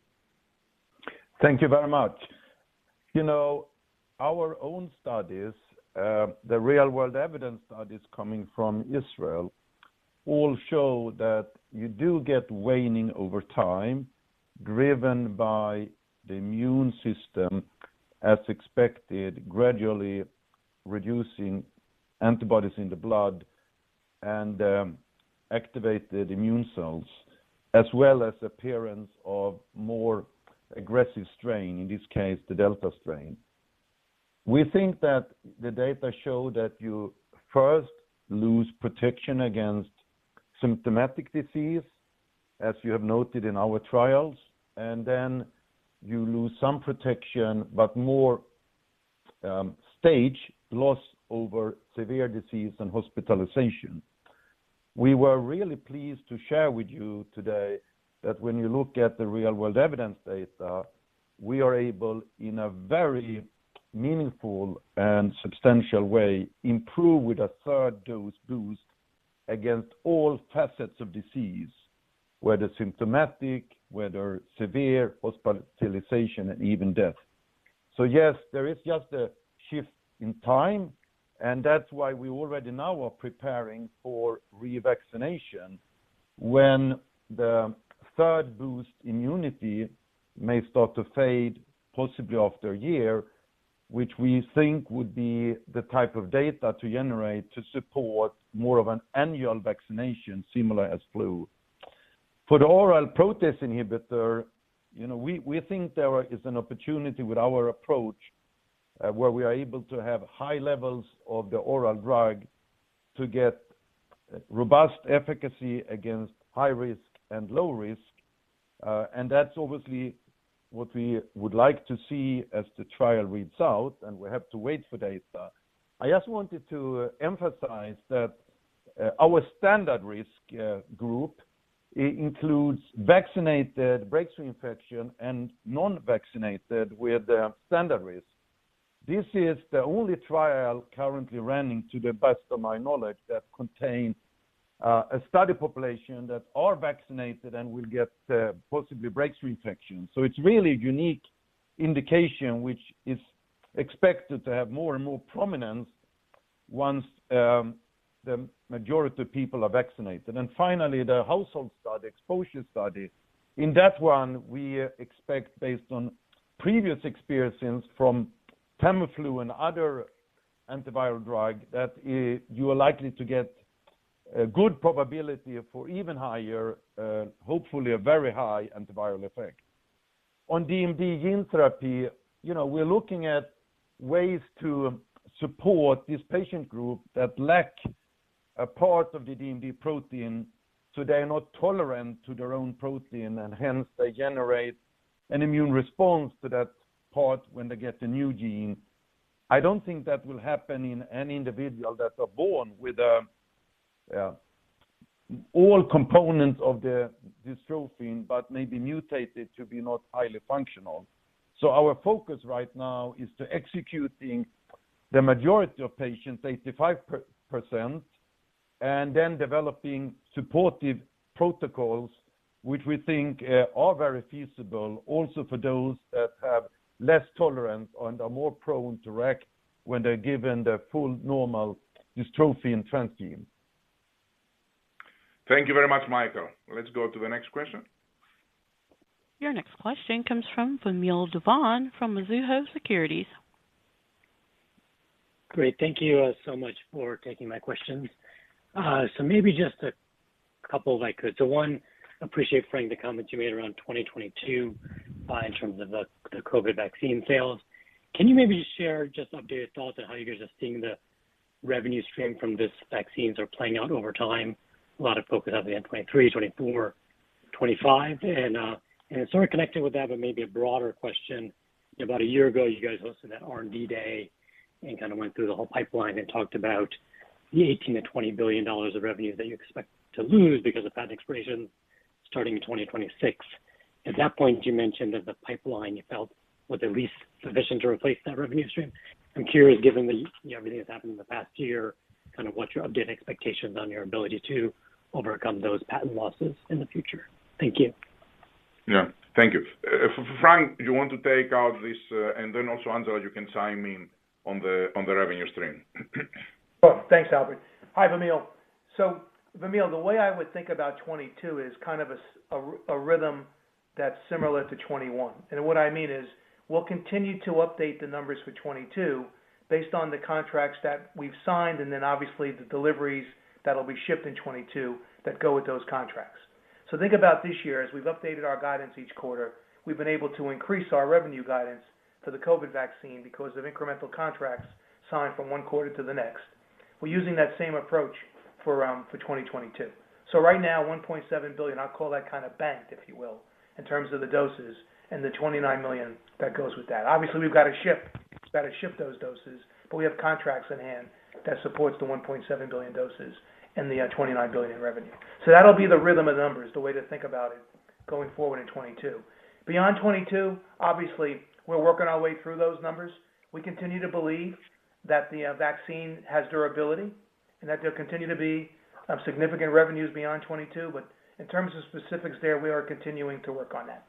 Thank you very much. You know, our own studies, the real world evidence studies coming from Israel all show that you do get waning over time, driven by the immune system, as expected, gradually reducing antibodies in the blood and, activated immune cells, as well as appearance of more aggressive strain, in this case, the Delta strain. We think that the data show that you first lose protection against symptomatic disease, as you have noted in our trials, and then you lose some protection, but more stage loss over severe disease and hospitalization. We were really pleased to share with you today that when you look at the real world evidence data, we are able, in a very meaningful and substantial way, improve with a third dose boost against all facets of disease, whether symptomatic, whether severe hospitalization and even death. Yes, there is just a shift in time, and that's why we already now are preparing for revaccination when the third boost immunity may start to fade possibly after a year, which we think would be the type of data to generate to support more of an annual vaccination, similar as flu. For the oral protease inhibitor, you know, we think there is an opportunity with our approach, where we are able to have high levels of the oral drug to get robust efficacy against high risk and low risk. And that's obviously what we would like to see as the trial reads out, and we have to wait for data. I just wanted to emphasize that, our standard risk group includes vaccinated breakthrough infection and non-vaccinated with standard risk. This is the only trial currently running to the best of my knowledge that contain a study population that are vaccinated and will get possibly breakthrough infection. It's really unique indication which is expected to have more and more prominence once the majority of people are vaccinated. Finally, the household study, exposure study. In that one, we expect based on previous experiences from Tamiflu and other antiviral drug that you are likely to get a good probability for even higher hopefully a very high antiviral effect. On DMD gene therapy, you know, we're looking at ways to support this patient group that lack a part of the DMD protein, so they are not tolerant to their own protein, and hence they generate an immune response to that part when they get a new gene. I don't think that will happen in any individual that are born with all components of the dystrophin, but maybe mutated to be not highly functional. Our focus right now is to executing the majority of patients, 85%, and then developing supportive protocols which we think are very feasible also for those that have less tolerance and are more prone to react when they're given the full normal dystrophin transgene. Thank you very much, Mikael. Let's go to the next question. Your next question comes from Vamil Divan from Mizuho Securities. Great. Thank you so much for taking my questions. Maybe just a couple if I could. One, I appreciate, Frank, the comments you made around 2022 in terms of the COVID vaccine sales. Can you maybe just share updated thoughts on how you guys are seeing the revenue stream from these vaccines are playing out over time? A lot of focus on the end 2023, 2024, 2025. Sort of connected with that, but maybe a broader question. About a year ago, you guys hosted that R&D day and kinda went through the whole pipeline and talked about the $18 billion-$20 billion of revenue that you expect to lose because of patent expiration starting in 2026. At that point, you mentioned that the pipeline you felt was at least sufficient to replace that revenue stream. I'm curious, given the, you know, everything that's happened in the past year, kind of what's your updated expectations on your ability to overcome those patent losses in the future? Thank you. Yeah. Thank you. Frank, you want to take this, and then also, Angela, you can chime in on the revenue stream. Oh, thanks, Albert. Hi, Vamil. Vamil, the way I would think about 2022 is kind of a rhythm that's similar to 2021. What I mean is, we'll continue to update the numbers for 2022 based on the contracts that we've signed, and then obviously the deliveries that'll be shipped in 2022 that go with those contracts. Think about this year, as we've updated our guidance each quarter, we've been able to increase our revenue guidance for the COVID vaccine because of incremental contracts signed from one quarter to the next. We're using that same approach for 2022. Right now, $1.7 billion, I'll call that kinda banked, if you will, in terms of the doses and the 29 million that goes with that. Obviously, we've gotta ship those doses, but we have contracts in hand that supports the 1.7 billion doses and the $29 billion in revenue. That'll be the rhythm of numbers, the way to think about it going forward in 2022. Beyond 2022, we're working our way through those numbers. We continue to believe that the vaccine has durability and that there'll continue to be significant revenues beyond 2022. But in terms of specifics there, we are continuing to work on that.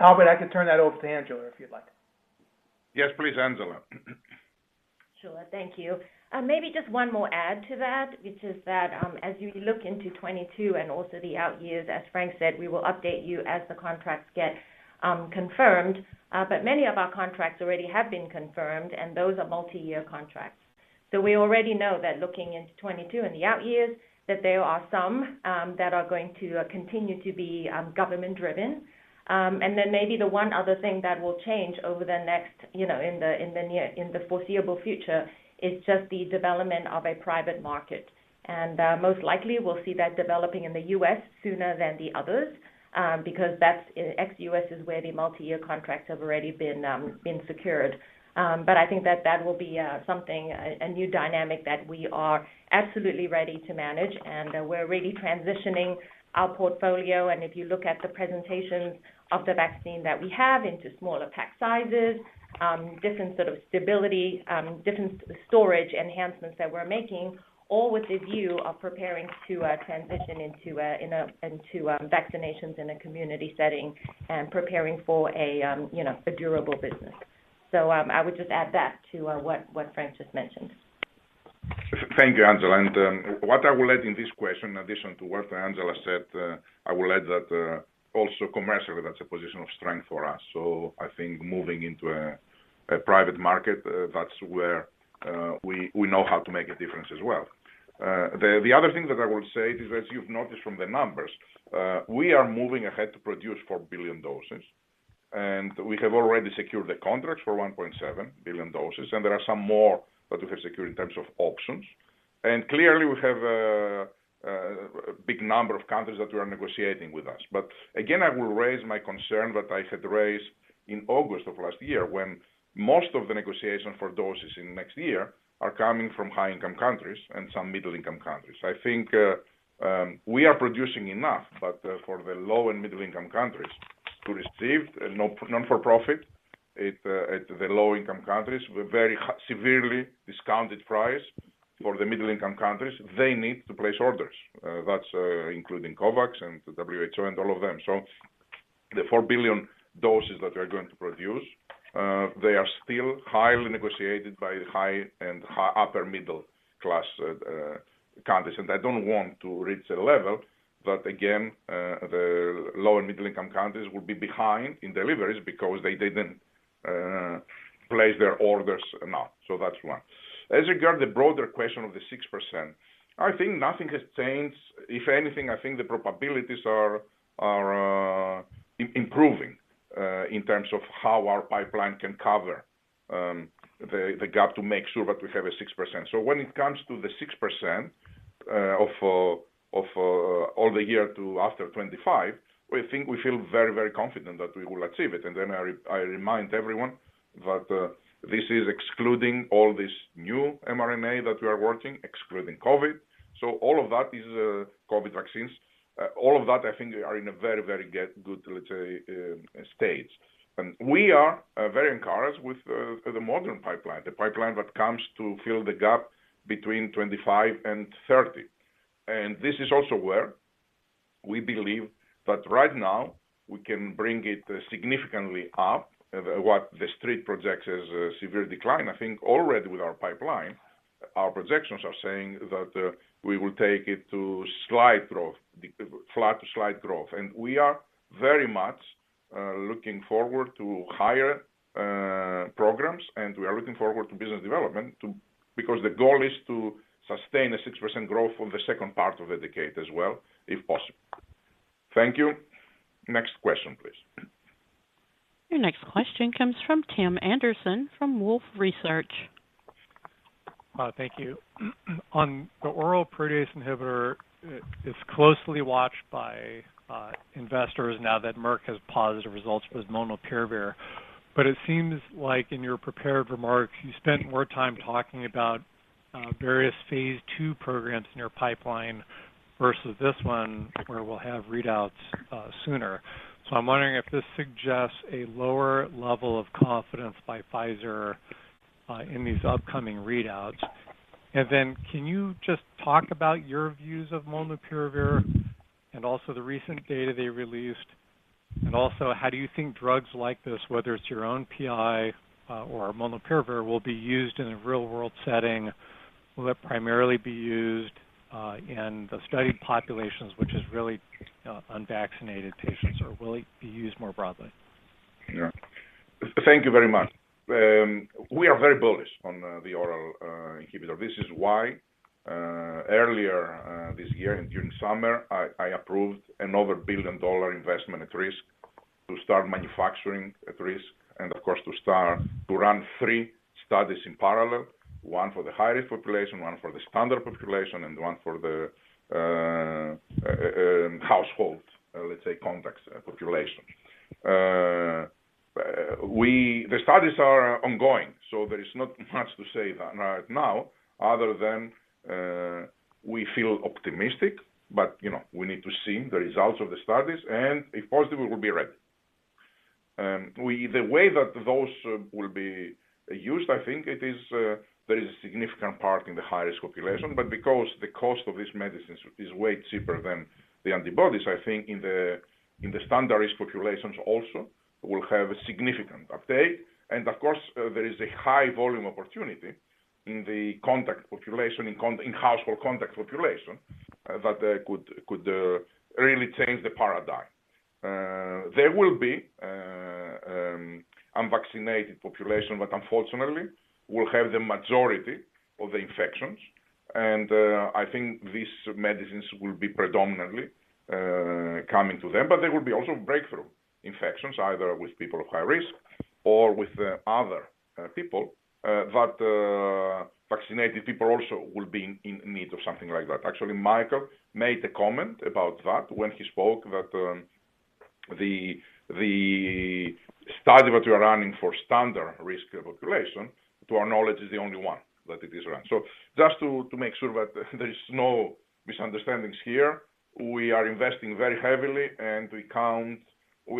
Albert, I can turn that over to Angela, if you'd like. Yes, please, Angela. Sure. Thank you. Maybe just one more add to that, which is that, as you look into 2022 and also the out years, as Frank said, we will update you as the contracts get confirmed. Many of our contracts already have been confirmed, and those are multi-year contracts. We already know that looking into 2022 and the out years, that there are some that are going to continue to be government-driven. Maybe the one other thing that will change over the next, you know, in the foreseeable future, is just the development of a private market. Most likely, we'll see that developing in the U.S. sooner than the others, because ex-U.S. is where the multi-year contracts have already been secured. I think that will be something, a new dynamic that we are absolutely ready to manage, and we're really transitioning our portfolio. If you look at the presentations of the vaccine that we have into smaller pack sizes, different sort of stability, different storage enhancements that we're making, all with the view of preparing to transition into vaccinations in a community setting and preparing for a, you know, a durable business. I would just add that to what Frank just mentioned. Thank you, Angela. What I will add in this question, in addition to what Angela said, I will add that also commercially, that's a position of strength for us. I think moving into a private market, that's where we know how to make a difference as well. The other thing that I will say is, as you've noticed from the numbers, we are moving ahead to produce 4 billion doses, and we have already secured the contracts for 1.7 billion doses, and there are some more that we have secured in terms of options. Clearly, we have a big number of countries that are negotiating with us. I will raise my concern that I had raised in August of last year when most of the negotiations for doses in next year are coming from high-income countries and some middle-income countries. I think we are producing enough, but for the low and middle-income countries to receive a not-for-profit at the low income countries with very severely discounted price. For the middle-income countries, they need to place orders. That's including COVAX and the WHO and all of them. The 4 billion doses that we are going to produce, they are still highly negotiated by high and upper middle-income countries. I don't want to reach a level that, again, the low and middle income countries will be behind in deliveries because they didn't place their orders enough. That's one. As regards the broader question of the 6%, I think nothing has changed. If anything, I think the probabilities are improving in terms of how our pipeline can cover the gap to make sure that we have a 6%. When it comes to the 6% of all the years to after 2025, we feel very confident that we will achieve it. Then I remind everyone that this is excluding all this new mRNA that we are working, excluding COVID. All of that is COVID vaccines. All of that I think are in a very good, let's say, state. We are very encouraged with the mRNA pipeline. The pipeline that comes to fill the gap between 2025 and 2030. This is also where we believe that right now we can bring it significantly up, what the street projects as a severe decline. I think already with our pipeline, our projections are saying that, we will take it to flat to slight growth. We are very much looking forward to higher programs, and we are looking forward to business development because the goal is to sustain a 6% growth for the second part of the decade as well, if possible. Thank you. Next question, please. Your next question comes from Tim Anderson from Wolfe Research. Thank you. On the oral protease inhibitor, it's closely watched by investors now that Merck has positive results with molnupiravir. It seems like in your prepared remarks, you spent more time talking about various phase II programs in your pipeline versus this one where we'll have readouts sooner. I'm wondering if this suggests a lower level of confidence by Pfizer in these upcoming readouts. Can you just talk about your views of molnupiravir and also the recent data they released? Also, how do you think drugs like this, whether it's your own PI or molnupiravir, will be used in a real-world setting? Will it primarily be used in the study populations, which is really unvaccinated patients, or will it be used more broadly? Yeah. Thank you very much. We are very bullish on the oral inhibitor. This is why earlier this year and during summer, I approved another billion-dollar investment at risk to start manufacturing at risk and of course to start to run three studies in parallel. One for the high-risk population, one for the standard population, and one for the household, let's say, contacts population. The studies are ongoing, so there is not much to say right now other than we feel optimistic. You know, we need to see the results of the studies, and if positive, we'll be ready. The way that those will be used, I think it is there is a significant part in the high-risk population. Because the cost of this medicine is way cheaper than the antibodies, I think in the standard risk populations also will have a significant uptake. Of course, there is a high volume opportunity in the household contact population that could really change the paradigm. There will be unvaccinated population, but unfortunately will have the majority of the infections. I think these medicines will be predominantly coming to them. There will be also breakthrough infections, either with people of high risk or with other people that vaccinated people also will be in need of something like that. Actually, Mikael made a comment about that when he spoke, that the study that we are running for standard risk population, to our knowledge, is the only one that it is run. Just to make sure that there is no misunderstandings here, we are investing very heavily, and we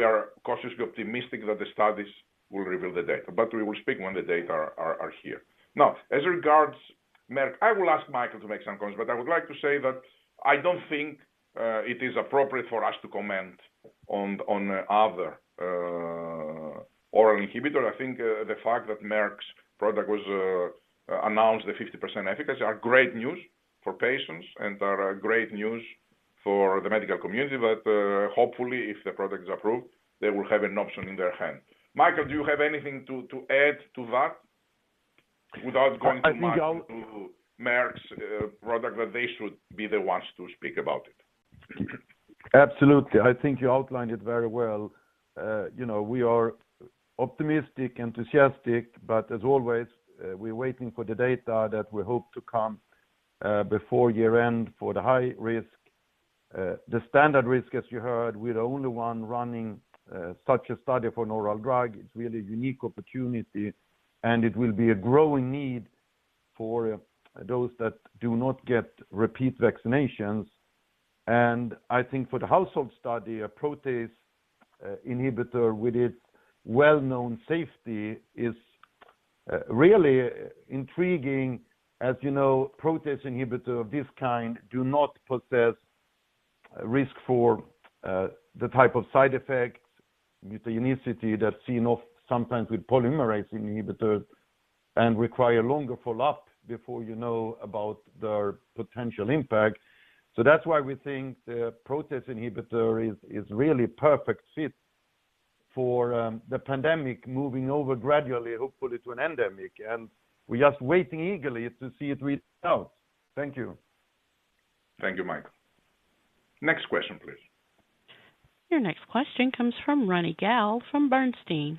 are cautiously optimistic that the studies will reveal the data. We will speak when the data are here. Now, as regards Merck, I will ask Mikael to make some comments, but I would like to say that I don't think it is appropriate for us to comment on other oral inhibitor. I think the fact that Merck's product was announced 50% efficacy are great news for patients and are great news for the medical community. Hopefully, if the product is approved, they will have an option in their hand. Mikael, do you have anything to add to that without going too much into Merck's product? That they should be the ones to speak about it. Absolutely. I think you outlined it very well. You know, we are optimistic, enthusiastic, but as always, we're waiting for the data that we hope to come before year-end for the high risk. The standard risk, as you heard, we're the only one running such a study for an oral drug. It's really a unique opportunity, and it will be a growing need for those that do not get repeat vaccinations. I think for the household study, a protease inhibitor with its well-known safety is really intriguing. As you know, protease inhibitor of this kind do not possess risk for the type of side effects, mutagenicity that's seen sometimes with polymerase inhibitor and require longer follow-up before you know about their potential impact. That's why we think the protease inhibitor is really perfect fit for the pandemic moving over gradually, hopefully to an endemic. We're just waiting eagerly to see it read out. Thank you. Thank you, Mikael. Next question, please. Your next question comes from Ronny Gal from Bernstein.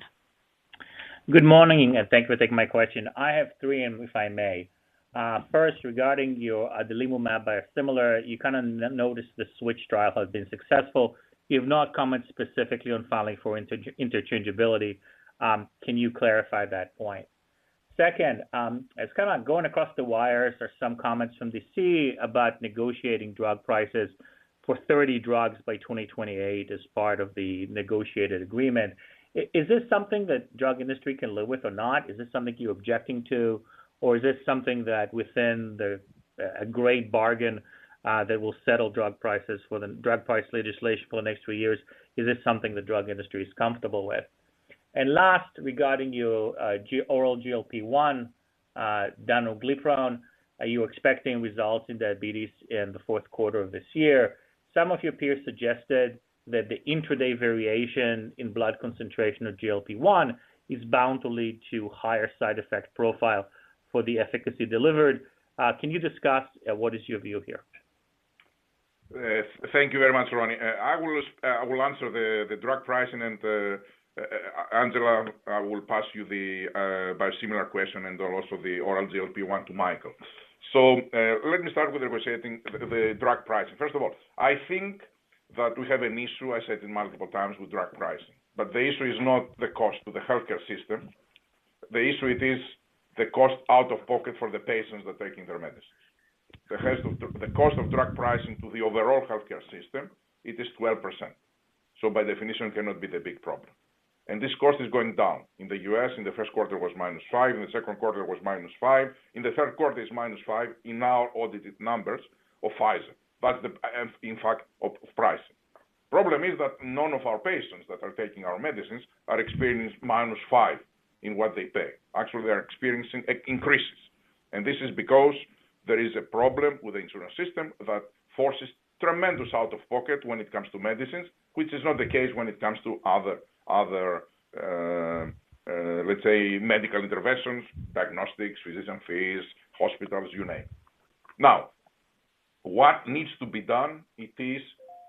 Good morning, and thanks for taking my question. I have three if I may. First, regarding your adalimumab biosimilar, you noticed the switch trial has been successful. You've not commented specifically on filing for interchangeability. Can you clarify that point? Second, it's kind of going across the wires or some comments from D.C. about negotiating drug prices for 30 drugs by 2028 as part of the negotiated agreement. Is this something that drug industry can live with or not? Is this something you're objecting to? Or is this something that within the great bargain that will settle drug prices for the drug price legislation for the next three years, is this something the drug industry is comfortable with? Last, regarding your oral GLP-1, danuglipron, are you expecting results in diabetes in the fourth quarter of this year? Some of your peers suggested that the intraday variation in blood concentration of GLP-1 is bound to lead to higher side effect profile for the efficacy delivered. Can you discuss what is your view here? Yes. Thank you very much, Ronny. I will answer the drug pricing and the Angela will pass you the biosimilar question and also the oral GLP-1 to Mikael. Let me start with negotiating the drug pricing. First of all, I think that we have an issue, I said it multiple times, with drug pricing, but the issue is not the cost to the healthcare system. The issue it is the cost out of pocket for the patients that are taking their medicines. The cost of drug pricing to the overall healthcare system, it is 12%. So by definition, it cannot be the big problem. This cost is going down. In the U.S., in the first quarter was -5%, in the second quarter was -5%, in the third quarter is -5%, in our audited numbers of Pfizer. That's the fact of pricing. Problem is that none of our patients that are taking our medicines are experiencing -5% in what they pay. Actually, they are experiencing increases. This is because there is a problem with the insurance system that forces tremendous out-of-pocket when it comes to medicines, which is not the case when it comes to other, let's say, medical interventions, diagnostics, physician fees, hospitals, you name it. Now, what needs to be done is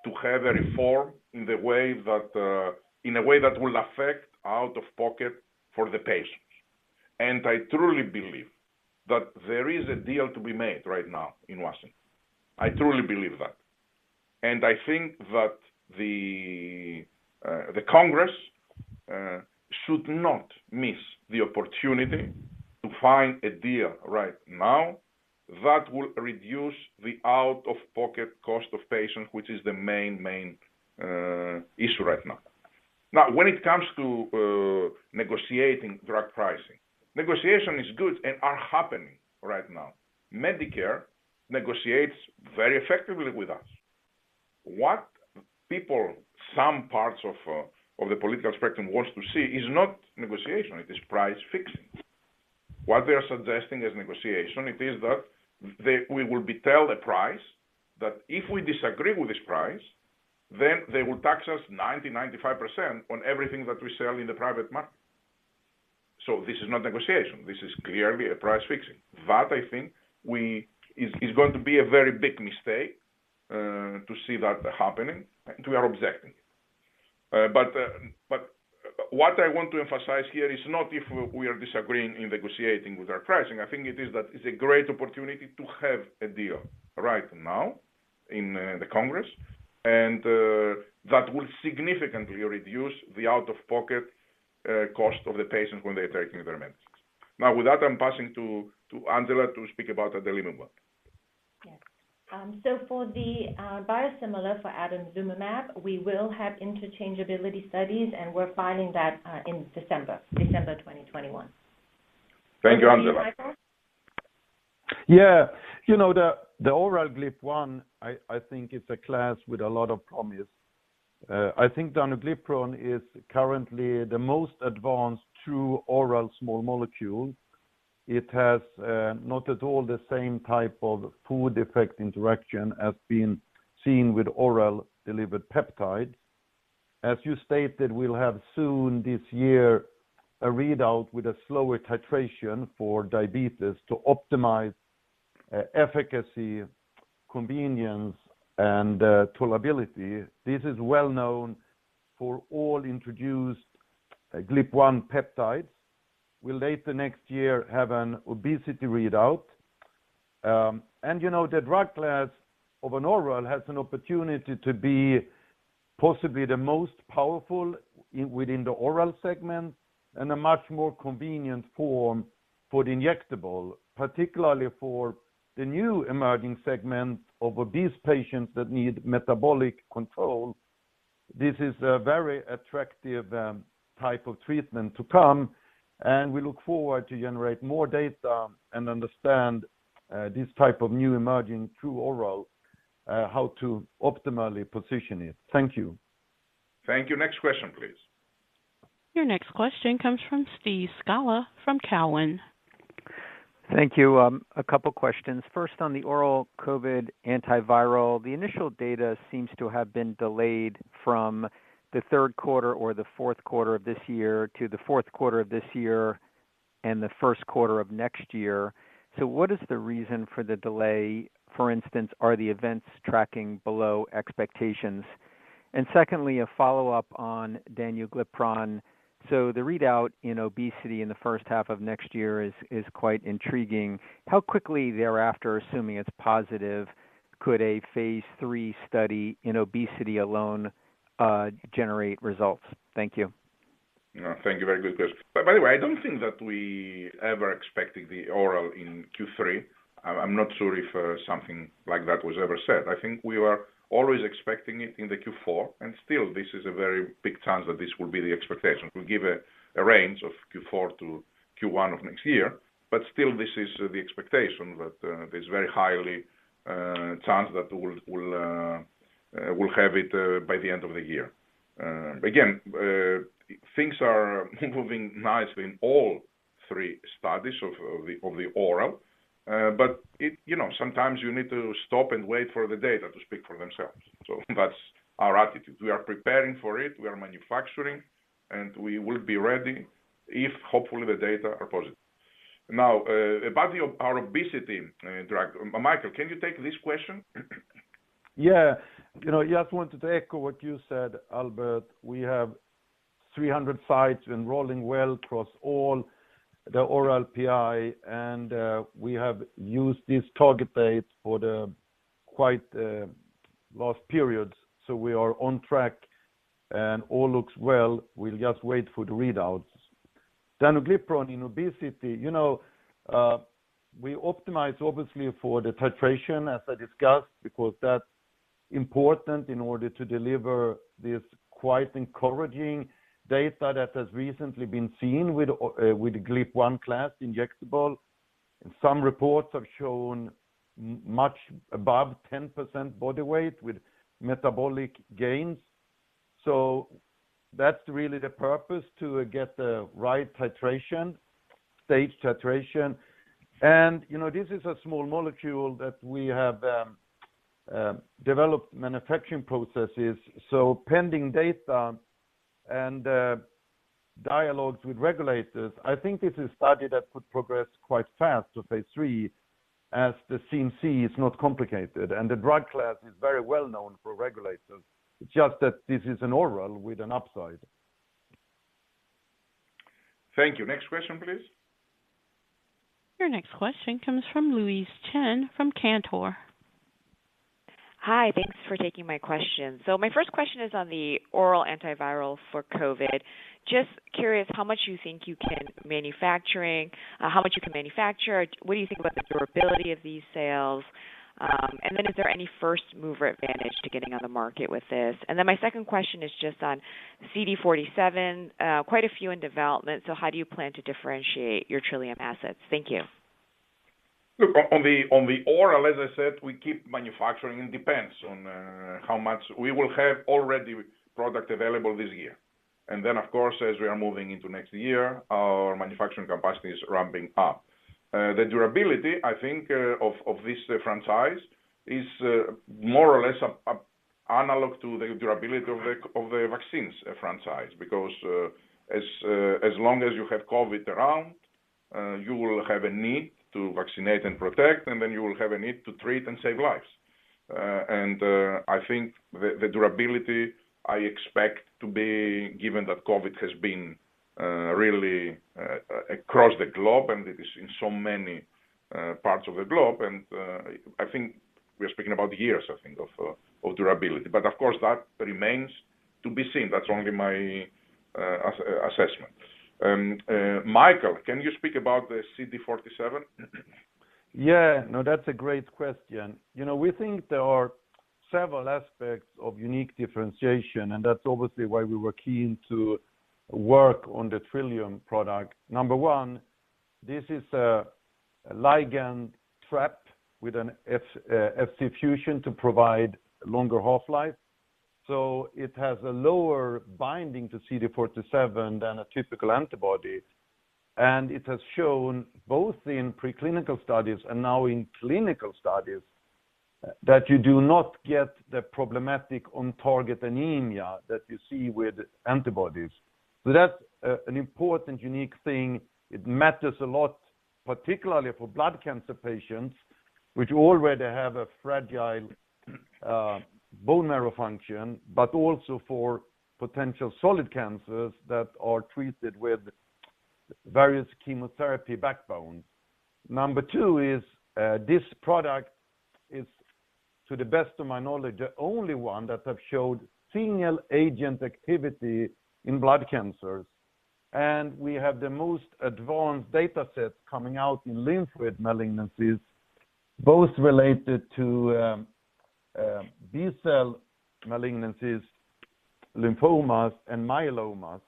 to have a reform in the way that, in a way that will affect out-of-pocket for the patients. I truly believe that there is a deal to be made right now in Washington. I truly believe that. I think that the Congress should not miss the opportunity to find a deal right now that will reduce the out-of-pocket cost of patients, which is the main issue right now. Now, when it comes to negotiating drug pricing, negotiation is good and are happening right now. Medicare negotiates very effectively with us. What people, some parts of the political spectrum wants to see is not negotiation, it is price fixing. What they are suggesting is negotiation. It is that they will tell the price, that if we disagree with this price, then they will tax us 95% on everything that we sell in the private market. This is not negotiation. This is clearly a price fixing. That I think is going to be a very big mistake to see that happening, and we are objecting. But what I want to emphasize here is not if we are disagreeing in negotiating with our pricing. I think it is that it's a great opportunity to have a deal right now in the Congress, and that will significantly reduce the out-of-pocket cost of the patients when they're taking their medicines. Now, with that, I'm passing to Angela to speak about adalimumab. Yes. For the biosimilar for adalimumab, we will have interchangeability studies, and we're filing that in December 2021. Thank you, Angela. Yeah. You know, the oral GLP-1, I think is a class with a lot of promise. I think danuglipron is currently the most advanced true oral small molecule. It has not at all the same type of food effect interaction as being seen with oral delivered peptide. As you stated, we'll have soon this year a readout with a slower titration for diabetes to optimize efficacy, convenience and tolerability. This is well known for all introduced GLP-1 peptides. We'll later next year have an obesity readout, and you know, the drug class of an oral has an opportunity to be possibly the most powerful within the oral segment and a much more convenient form for the injectable, particularly for the new emerging segment of obese patients that need metabolic control. This is a very attractive type of treatment to come, and we look forward to generate more data and understand this type of new emerging true oral how to optimally position it. Thank you. Thank you. Next question, please. Your next question comes from Steve Scala from Cowen. Thank you. A couple questions. First, on the oral COVID antiviral, the initial data seems to have been delayed from the third quarter or the fourth quarter of this year to the fourth quarter of this year and the first quarter of next year. What is the reason for the delay? For instance, are the events tracking below expectations? Secondly, a follow-up on danuglipron. The readout in obesity in the first half of next year is quite intriguing. How quickly thereafter, assuming it's positive, could a phase III study in obesity alone generate results? Thank you. No, thank you. Very good question. By the way, I don't think that we ever expected the oral in Q3. I'm not sure if something like that was ever said. I think we were always expecting it in the Q4, and still this is a very big chance that this will be the expectation. We give a range of Q4 to Q1 of next year. Still this is the expectation that there's very high chance that we'll have it by the end of the year. Again, things are moving nicely in all three studies of the oral, but you know, sometimes you need to stop and wait for the data to speak for themselves. That's our attitude. We are preparing for it, we are manufacturing, and we will be ready if hopefully the data are positive. Now, about our obesity drug. Mikael, can you take this question? Yeah. You know, just want to echo what you said, Albert. We have 300 sites enrolling well across all the oral GLP-1, and we have used these target dates for the Q1 last period. We are on track and all looks well. We'll just wait for the readouts. Danuglipron in obesity. You know, we optimize obviously for the titration, as I discussed, because that's important in order to deliver this quite encouraging data that has recently been seen with GLP-1 class injectable. Some reports have shown much above 10% body weight with metabolic gains. That's really the purpose, to get the right titration, stage titration. You know, this is a small molecule that we have developed manufacturing processes. Pending data and dialogues with regulators, I think this is a study that could progress quite fast to phase III as the CMC is not complicated and the drug class is very well known for regulators. It's just that this is an oral with an upside. Thank you. Next question, please. Your next question comes from Louise Chen from Cantor. Hi. Thanks for taking my question. My first question is on the oral antiviral for COVID. Just curious how much you can manufacture? What do you think about the durability of these sales? Is there any first mover advantage to getting on the market with this? My second question is just on CD47. Quite a few in development. How do you plan to differentiate your Trillium assets? Thank you. Look, on the oral, as I said, we keep manufacturing. It depends on how much we will have a ready product available this year. Then of course, as we are moving into next year, our manufacturing capacity is ramping up. The durability I think of this franchise is more or less an analog to the durability of the vaccines franchise. Because as long as you have COVID around, you will have a need to vaccinate and protect, and then you will have a need to treat and save lives. I think the durability I expect to be given that COVID has been really across the globe and it is in so many parts of the globe. I think we are speaking about years, I think, of durability. Of course, that remains to be seen. That's only my assessment. Mikael, can you speak about the CD47? Yeah. No, that's a great question. You know, we think there are several aspects of unique differentiation, and that's obviously why we were keen to work on the Trillium product. Number one, this is a ligand trap with an Fc fusion to provide longer half-life. So it has a lower binding to CD47 than a typical antibody. It has shown both in preclinical studies and now in clinical studies that you do not get the problematic on-target anemia that you see with antibodies. So that's an important unique thing. It matters a lot, particularly for blood cancer patients, which already have a fragile bone marrow function, but also for potential solid cancers that are treated with various chemotherapy backbones. Number two is this product is, to the best of my knowledge, the only one that have showed single agent activity in blood cancers. We have the most advanced data sets coming out in lymphoid malignancies, both related to B-cell malignancies, lymphomas, and myelomas.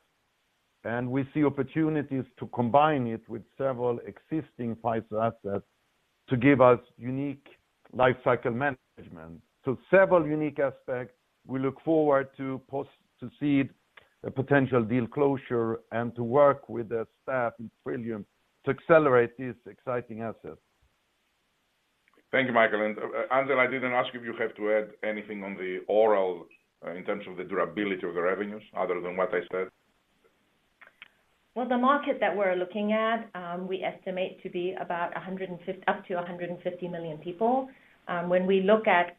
We see opportunities to combine it with several existing Pfizer assets to give us unique lifecycle management. Several unique aspects we look forward to see the potential deal closure and to work with the staff in Trillium to accelerate these exciting assets. Thank you, Mikael. Angela, I didn't ask you if you have to add anything on the oral, in terms of the durability of the revenues other than what I said. Well, the market that we're looking at, we estimate to be about up to 150 million people. When we look at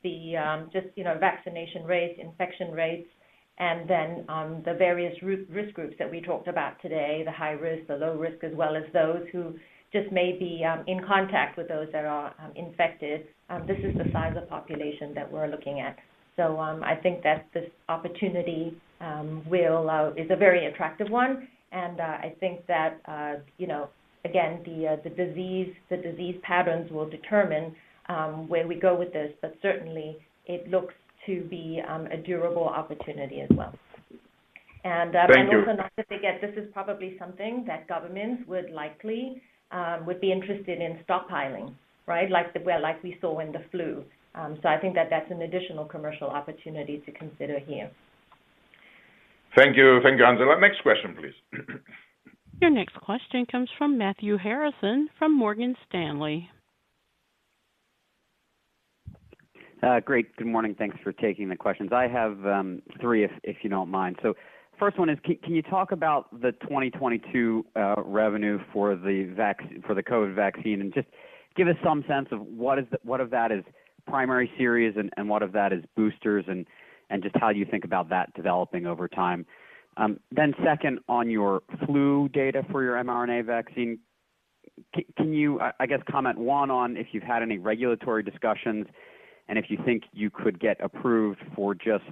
just, you know, vaccination rates, infection rates, and then the various risk groups that we talked about today, the high risk, the low risk, as well as those who just may be in contact with those that are infected, this is the size of population that we're looking at. I think that this opportunity is a very attractive one. I think that, you know, again, the disease patterns will determine where we go with this. Certainly, it looks to be a durable opportunity as well. Thank you. Also not to forget, this is probably something that governments would likely be interested in stockpiling, right? Like we saw in the flu. I think that that's an additional commercial opportunity to consider here. Thank you. Thank you, Angela. Next question, please. Your next question comes from Matthew Harrison from Morgan Stanley. Great. Good morning. Thanks for taking the questions. I have three, if you don't mind. First one is can you talk about the 2022 revenue for the COVID vaccine? And just give us some sense of what of that is primary series and what of that is boosters, and just how you think about that developing over time. Second, on your flu data for your mRNA vaccine, can you, I guess, comment, one, on if you've had any regulatory discussions and if you think you could get approved for just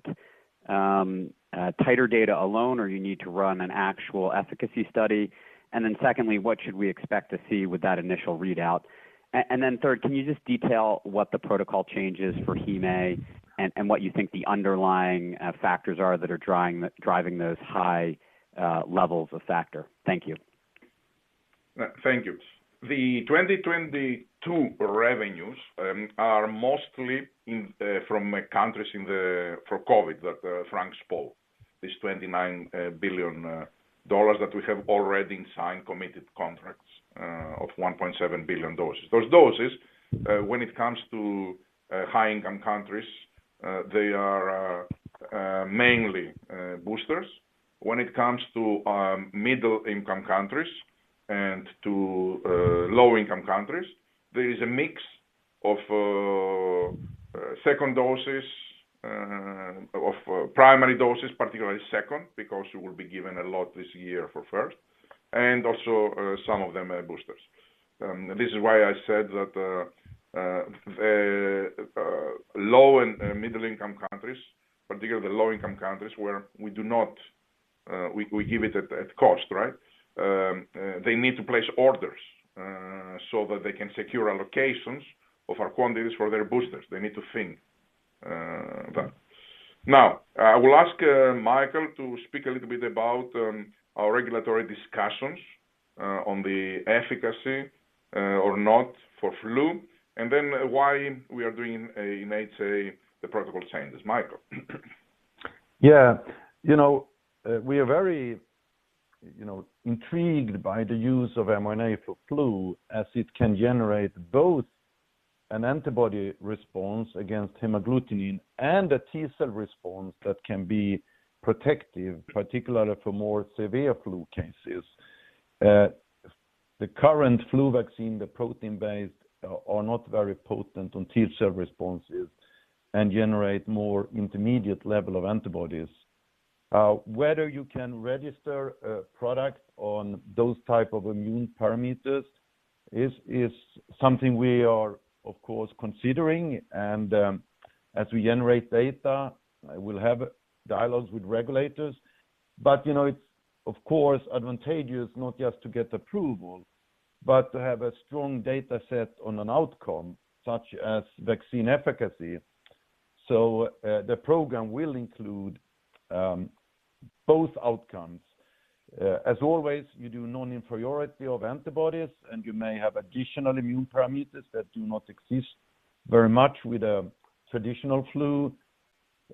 titer data alone, or you need to run an actual efficacy study. And then secondly, what should we expect to see with that initial readout? Third, can you just detail what the protocol change is for hem A and what you think the underlying factors are that are driving those high levels of factor? Thank you. Thank you. The 2022 revenues are mostly from countries for COVID that Frank spoke. These $29 billion that we have already signed committed contracts of 1.7 billion doses. Those doses, when it comes to high-income countries, they are mainly boosters. When it comes to middle-income countries and to low-income countries, there is a mix of second doses of primary doses, particularly second, because we will be giving a lot this year for first, and also some of them are boosters. This is why I said that low and middle-income countries, particularly the low-income countries where we do not, we give it at cost, right? They need to place orders so that they can secure allocations of our quantities for their boosters. They need to think that. Now, I will ask Mikael to speak a little bit about our regulatory discussions on the efficacy or not for flu, and then why we are doing a HA, the protocol changes. Mikael. Yeah. You know, we are very, you know, intrigued by the use of mRNA for flu as it can generate both an antibody response against hemagglutinin and a T cell response that can be protective, particularly for more severe flu cases. The current flu vaccine, the protein-based, are not very potent on T cell responses and generate more intermediate level of antibodies. Whether you can register a product on those type of immune parameters is something we are, of course, considering. As we generate data, I will have dialogues with regulators. You know, it's of course advantageous not just to get approval, but to have a strong data set on an outcome such as vaccine efficacy. The program will include both outcomes. As always, you do non-inferiority of antibodies, and you may have additional immune parameters that do not exist very much with a traditional flu.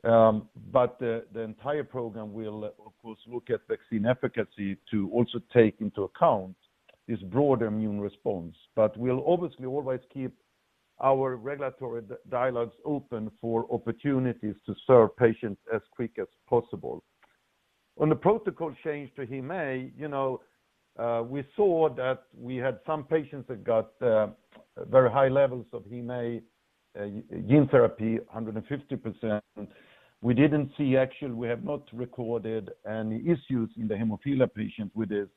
The entire program will of course look at vaccine efficacy to also take into account this broad immune response. We'll obviously always keep our regulatory dialogues open for opportunities to serve patients as quick as possible. On the protocol change to hem A, you know, we saw that we had some patients that got very high levels of hem A, gene therapy 150%. Actually, we have not recorded any issues in the hemophilia patients with this.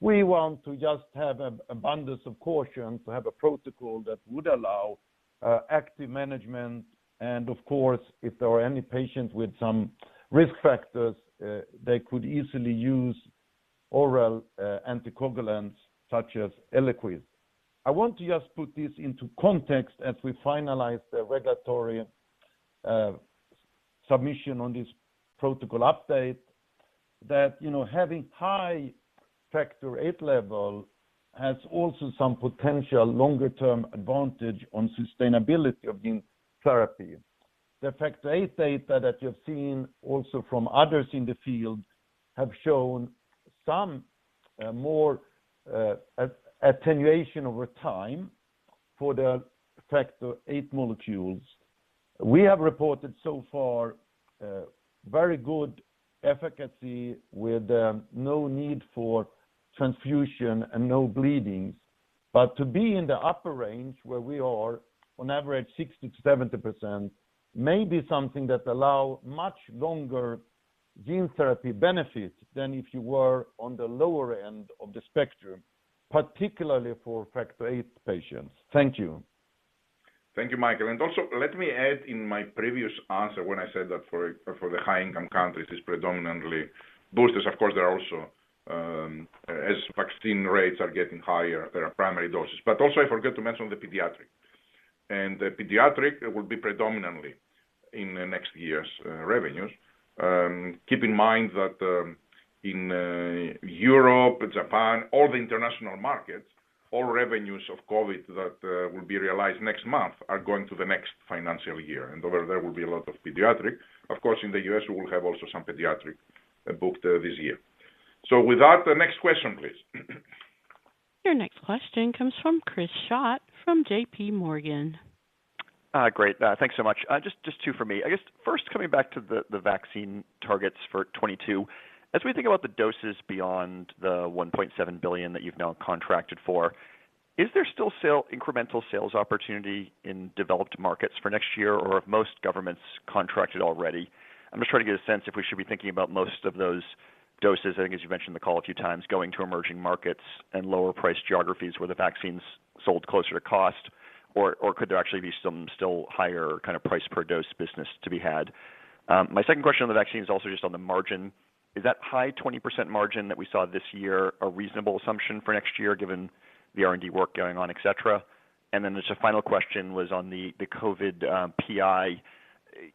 We want to just have an abundance of caution to have a protocol that would allow active management. Of course, if there are any patients with some risk factors, they could easily use oral anticoagulants such as ELIQUIS. I want to just put this into context as we finalize the regulatory submission on this protocol update that, you know, having high factor eight level has also some potential longer term advantage on sustainability of gene therapy. The factor eight data that you've seen also from others in the field have shown some more attenuation over time for the factor eight molecules. We have reported so far very good efficacy with no need for transfusion and no bleedings. To be in the upper range where we are on average 60%-70%, may be something that allow much longer gene therapy benefits than if you were on the lower end of the spectrum, particularly for factor eight patients. Thank you. Thank you, Mikael. Also let me add in my previous answer when I said that for the high income countries, it's predominantly boosters. Of course, there are also as vaccine rates are getting higher, there are primary doses. I forgot to mention the pediatric. The pediatric will be predominantly in the next year's revenues. Keep in mind that in Europe, Japan, all the international markets, all revenues of COVID that will be realized next month are going to the next financial year. Over there will be a lot of pediatric. Of course, in the U.S., we will have also some pediatric booked this year. With that, the next question, please. Your next question comes from Chris Schott from JPMorgan. Great. Thanks so much. Just two for me. I guess first coming back to the vaccine targets for 2022. As we think about the doses beyond the 1.7 billion that you've now contracted for, is there still incremental sales opportunity in developed markets for next year or have most governments contracted already? I'm just trying to get a sense if we should be thinking about most of those doses, I think as you mentioned in the call a few times, going to emerging markets and lower priced geographies where the vaccine's sold closer to cost, or could there actually be some still higher kinda price per dose business to be had? My second question on the vaccine is also just on the margin. Is that high 20% margin that we saw this year a reasonable assumption for next year, given the R&D work going on, etcetera? There's a final question on the COVID PI.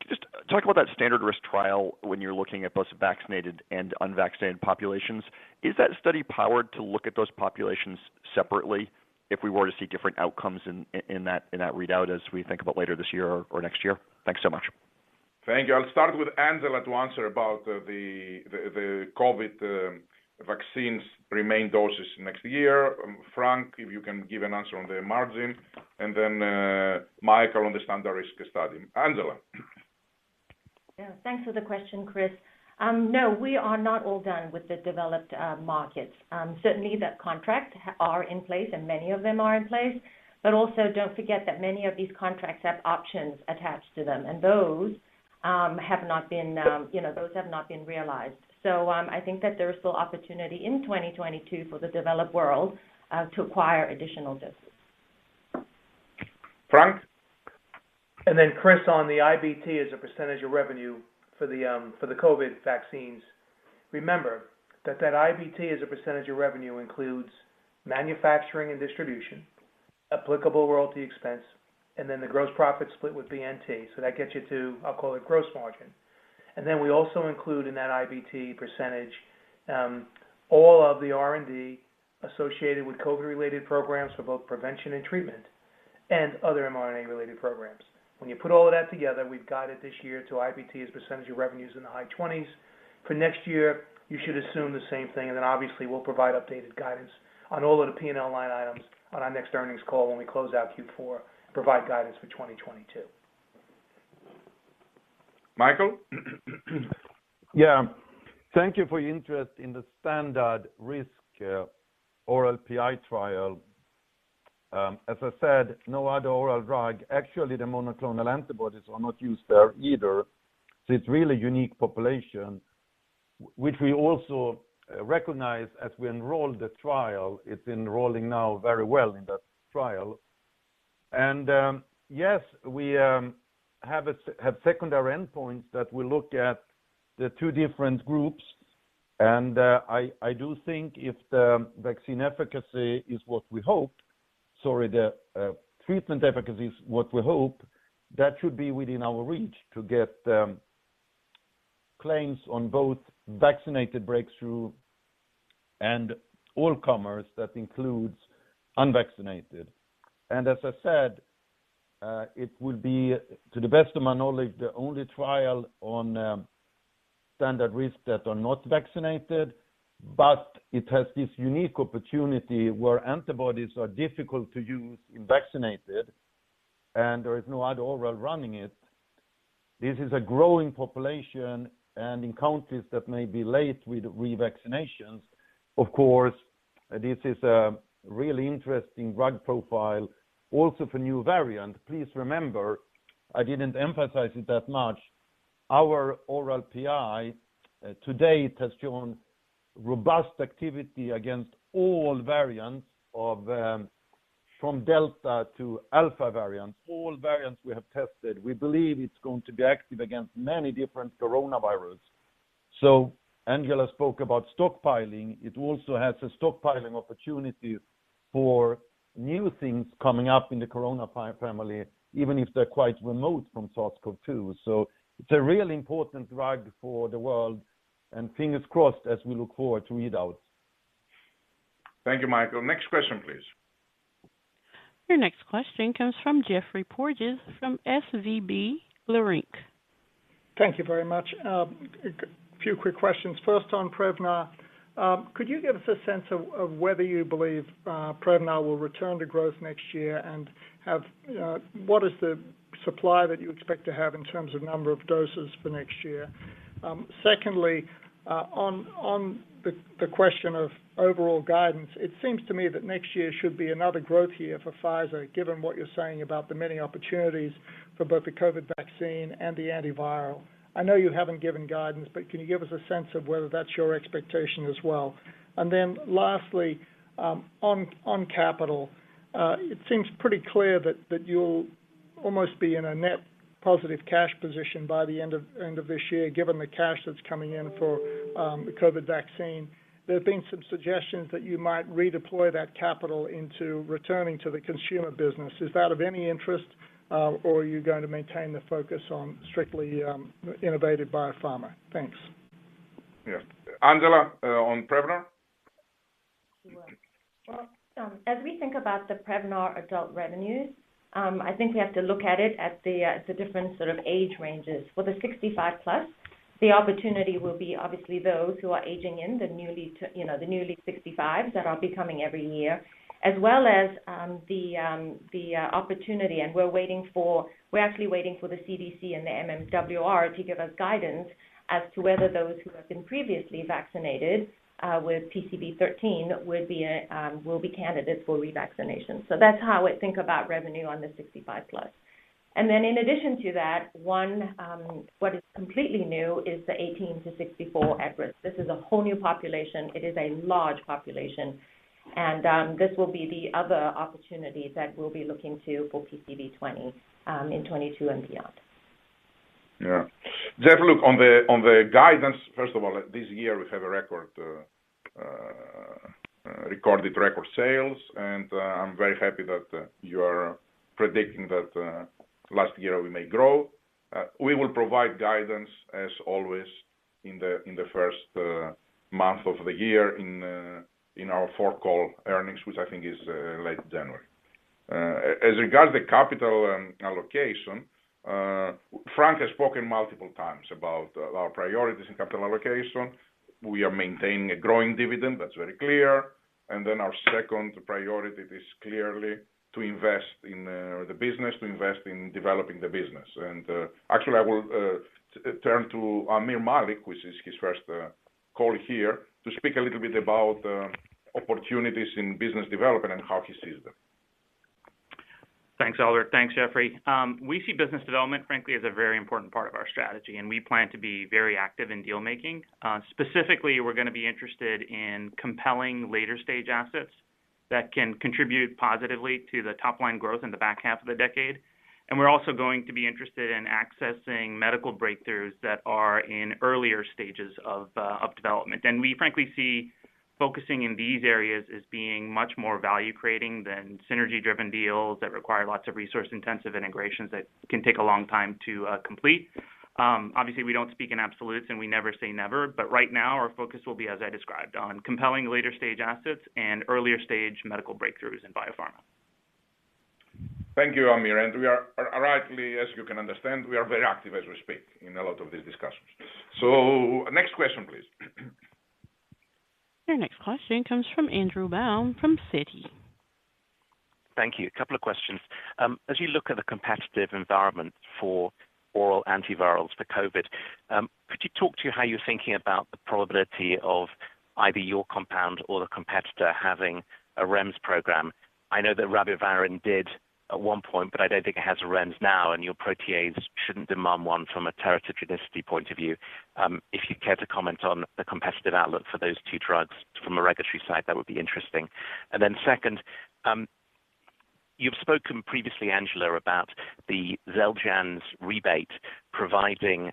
Just talk about that standard risk trial when you're looking at both vaccinated and unvaccinated populations. Is that study powered to look at those populations separately if we were to see different outcomes in that readout as we think about later this year or next year? Thanks so much. Thank you. I'll start with Angela to answer about the COVID vaccine's remaining doses next year. Frank, if you can give an answer on the margin. Mikael on the standard risk study. Angela. Yeah. Thanks for the question, Chris. No, we are not all done with the developed markets. Certainly the contracts are in place and many of them are in place. Also don't forget that many of these contracts have options attached to them, and those have not been, you know, those have not been realized. I think that there is still opportunity in 2022 for the developed world to acquire additional doses. Frank. Chris, on the IBT as a percentage of revenue for the COVID vaccines. Remember that IBT as a percentage of revenue includes manufacturing and distribution, applicable royalty expense, and then the gross profit split with BNT. That gets you to, I'll call it, gross margin. We also include in that IBT percentage all of the R&D associated with COVID-related programs for both prevention and treatment and other mRNA related programs. When you put all of that together, we've got it this year to IBT as a percentage of revenues in the high 20s. For next year, you should assume the same thing. Obviously we'll provide updated guidance on all of the P&L line items on our next earnings call when we close out Q4, provide guidance for 2022. Mikael. Yeah. Thank you for your interest in the standard risk, oral PI trial. As I said, no other oral drug. Actually, the monoclonal antibodies are not used there either. It's really unique population, which we also recognize as we enroll the trial. It's enrolling now very well in that trial. Yes, we have secondary endpoints that we look at the two different groups. I do think if the vaccine efficacy is what we hope, sorry, the treatment efficacy is what we hope, that should be within our reach to get claims on both vaccinated breakthrough and all comers that includes unvaccinated. As I said, it would be, to the best of my knowledge, the only trial on standard risk that are not vaccinated, but it has this unique opportunity where antibodies are difficult to use in vaccinated, and there is no other oral running it. This is a growing population and in countries that may be late with revaccinations. Of course, this is a really interesting drug profile also for new variant. Please remember, I didn't emphasize it that much. Our oral PI today it has shown robust activity against all variants of, from Delta to Alpha variants, all variants we have tested. We believe it's going to be active against many different coronaviruses. Angela spoke about stockpiling. It also has a stockpiling opportunity for new things coming up in the coronavirus family, even if they're quite remote from SARS-CoV-2. It's a real important drug for the world, and fingers crossed as we look forward to readouts. Thank you, Mikael. Next question, please. Your next question comes from Geoffrey Porges from SVB Leerink. Thank you very much. A few quick questions. First, on Prevnar. Could you give us a sense of whether you believe Prevnar will return to growth next year and what is the supply that you expect to have in terms of number of doses for next year? Second, on the question of overall guidance, it seems to me that next year should be another growth year for Pfizer, given what you're saying about the many opportunities for both the COVID vaccine and the antiviral. I know you haven't given guidance, but can you give us a sense of whether that's your expectation as well? Lastly, on capital, it seems pretty clear that you'll almost be in a net positive cash position by the end of this year, given the cash that's coming in for the COVID vaccine. There have been some suggestions that you might redeploy that capital into returning to the consumer business. Is that of any interest, or are you going to maintain the focus on strictly innovative biopharma? Thanks. Yes. Angela, on Prevnar. Sure. Well, as we think about the Prevnar adult revenues, I think we have to look at it at the different sort of age ranges. For the 65+, the opportunity will be obviously those who are aging in, you know, the newly 65s that are becoming every year, as well as the opportunity. We're actually waiting for the CDC and the MMWR to give us guidance as to whether those who have been previously vaccinated with PCV13 would be will be candidates for revaccination. That's how I think about revenue on the 65+. Then in addition to that, what is completely new is the 18-64 at-risk. This is a whole new population. It is a large population. This will be the other opportunity that we'll be looking to for PCV20 in 2022 and beyond. Yeah. Geoff, look, on the guidance, first of all, this year we have a record sales, and I'm very happy that you are predicting that this year we may grow. We will provide guidance as always in the first month of the year in our fourth call earnings, which I think is late January. As regards the capital allocation, Frank has spoken multiple times about our priorities in capital allocation. We are maintaining a growing dividend, that's very clear. Our second priority is clearly to invest in the business, to invest in developing the business. Actually, I will turn to Aamir Malik, which is his first call here, to speak a little bit about opportunities in business development and how he sees them. Thanks, Albert. Thanks, Geoffrey. We see business development, frankly, as a very important part of our strategy, and we plan to be very active in deal-making. Specifically, we're gonna be interested in compelling later-stage assets that can contribute positively to the top-line growth in the back half of the decade. We're also going to be interested in accessing medical breakthroughs that are in earlier stages of development. We frankly see focusing in these areas as being much more value-creating than synergy-driven deals that require lots of resource-intensive integrations that can take a long time to complete. Obviously, we don't speak in absolutes, and we never say never, but right now our focus will be, as I described, on compelling later-stage assets and earlier-stage medical breakthroughs in biopharma. Thank you, Aamir. We are rightly, as you can understand, we are very active as we speak in a lot of these discussions. Next question, please. Your next question comes from Andrew Baum from Citi. Thank you. A couple of questions. As you look at the competitive environment for oral antivirals for COVID, could you talk to how you're thinking about the probability of either your compound or the competitor having a REMS program? I know that Ribavirin did at one point, but I don't think it has a REMS now, and your protease shouldn't demand one from a teratogenicity point of view. If you'd care to comment on the competitive outlook for those two drugs from a regulatory side, that would be interesting. Second, you've spoken previously, Angela, about the XELJANZ rebate providing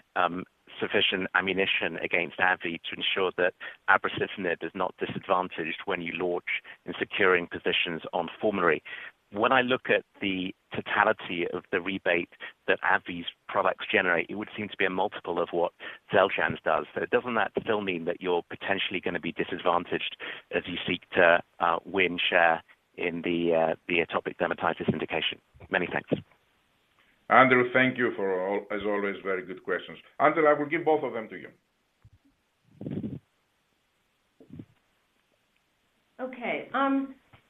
sufficient ammunition against AbbVie to ensure that abrocitinib is not disadvantaged when you launch in securing positions on formulary. When I look at the totality of the rebate that AbbVie's products generate, it would seem to be a multiple of what XELJANZ does. Doesn't that still mean that you're potentially gonna be disadvantaged as you seek to win share in the atopic dermatitis indication? Many thanks. Andrew, thank you for as always very good questions. Angela, I will give both of them to you.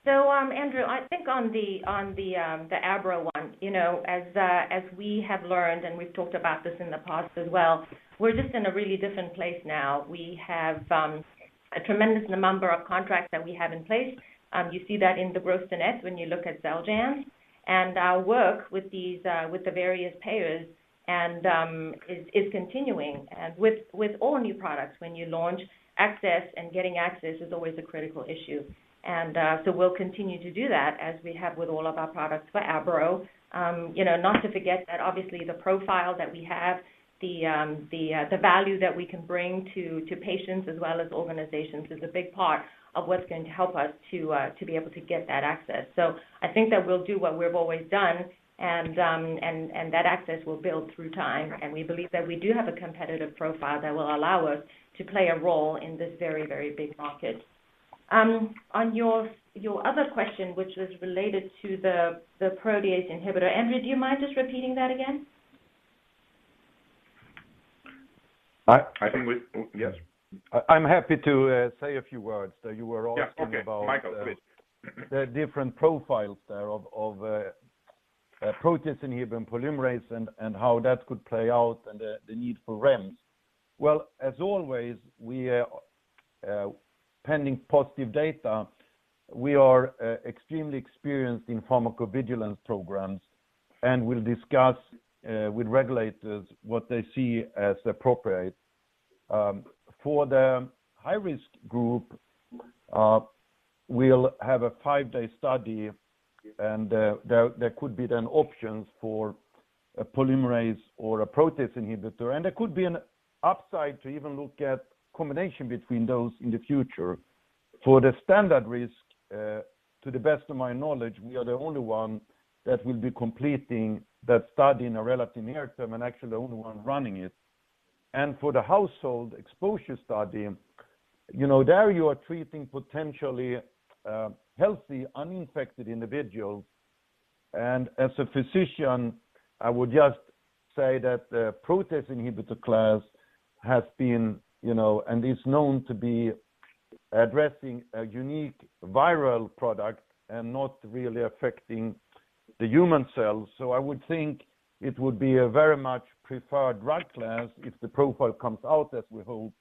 Okay, Andrew, I think on the abro one, you know, as we have learned, and we've talked about this in the past as well, we're just in a really different place now. We have a tremendous number of contracts that we have in place. You see that in the gross-to-net when you look at XELJANZ and our work with the various payers is continuing. With all new products when you launch access and getting access is always a critical issue. We'll continue to do that as we have with all of our products for abro. You know, not to forget that obviously the profile that we have, the value that we can bring to patients as well as organizations is a big part of what's going to help us to be able to get that access. I think that we'll do what we've always done, and that access will build through time. We believe that we do have a competitive profile that will allow us to play a role in this very, very big market. On your other question, which was related to the protease inhibitor. Andrew, do you mind just repeating that again? I think we. Yes. I'm happy to say a few words that you were asking about. Yes. Okay. Mikael, please. The different profiles there of protease inhibitor and polymerase and how that could play out and the need for REMS. Well, as always, we are pending positive data. We are extremely experienced in pharmacovigilance programs, and we'll discuss with regulators what they see as appropriate. For the high-risk group, we'll have a five-day study and there could be then options for a polymerase or a protease inhibitor. There could be an upside to even look at combination between those in the future. For the standard risk, to the best of my knowledge, we are the only one that will be completing that study in a relatively near term, and actually the only one running it. For the household exposure study, you know, there you are treating potentially healthy, uninfected individuals. As a physician, I would just say that the protease inhibitor class has been, you know, and is known to be addressing a unique viral product and not really affecting the human cells. I would think it would be a very much preferred drug class if the profile comes out as we hope.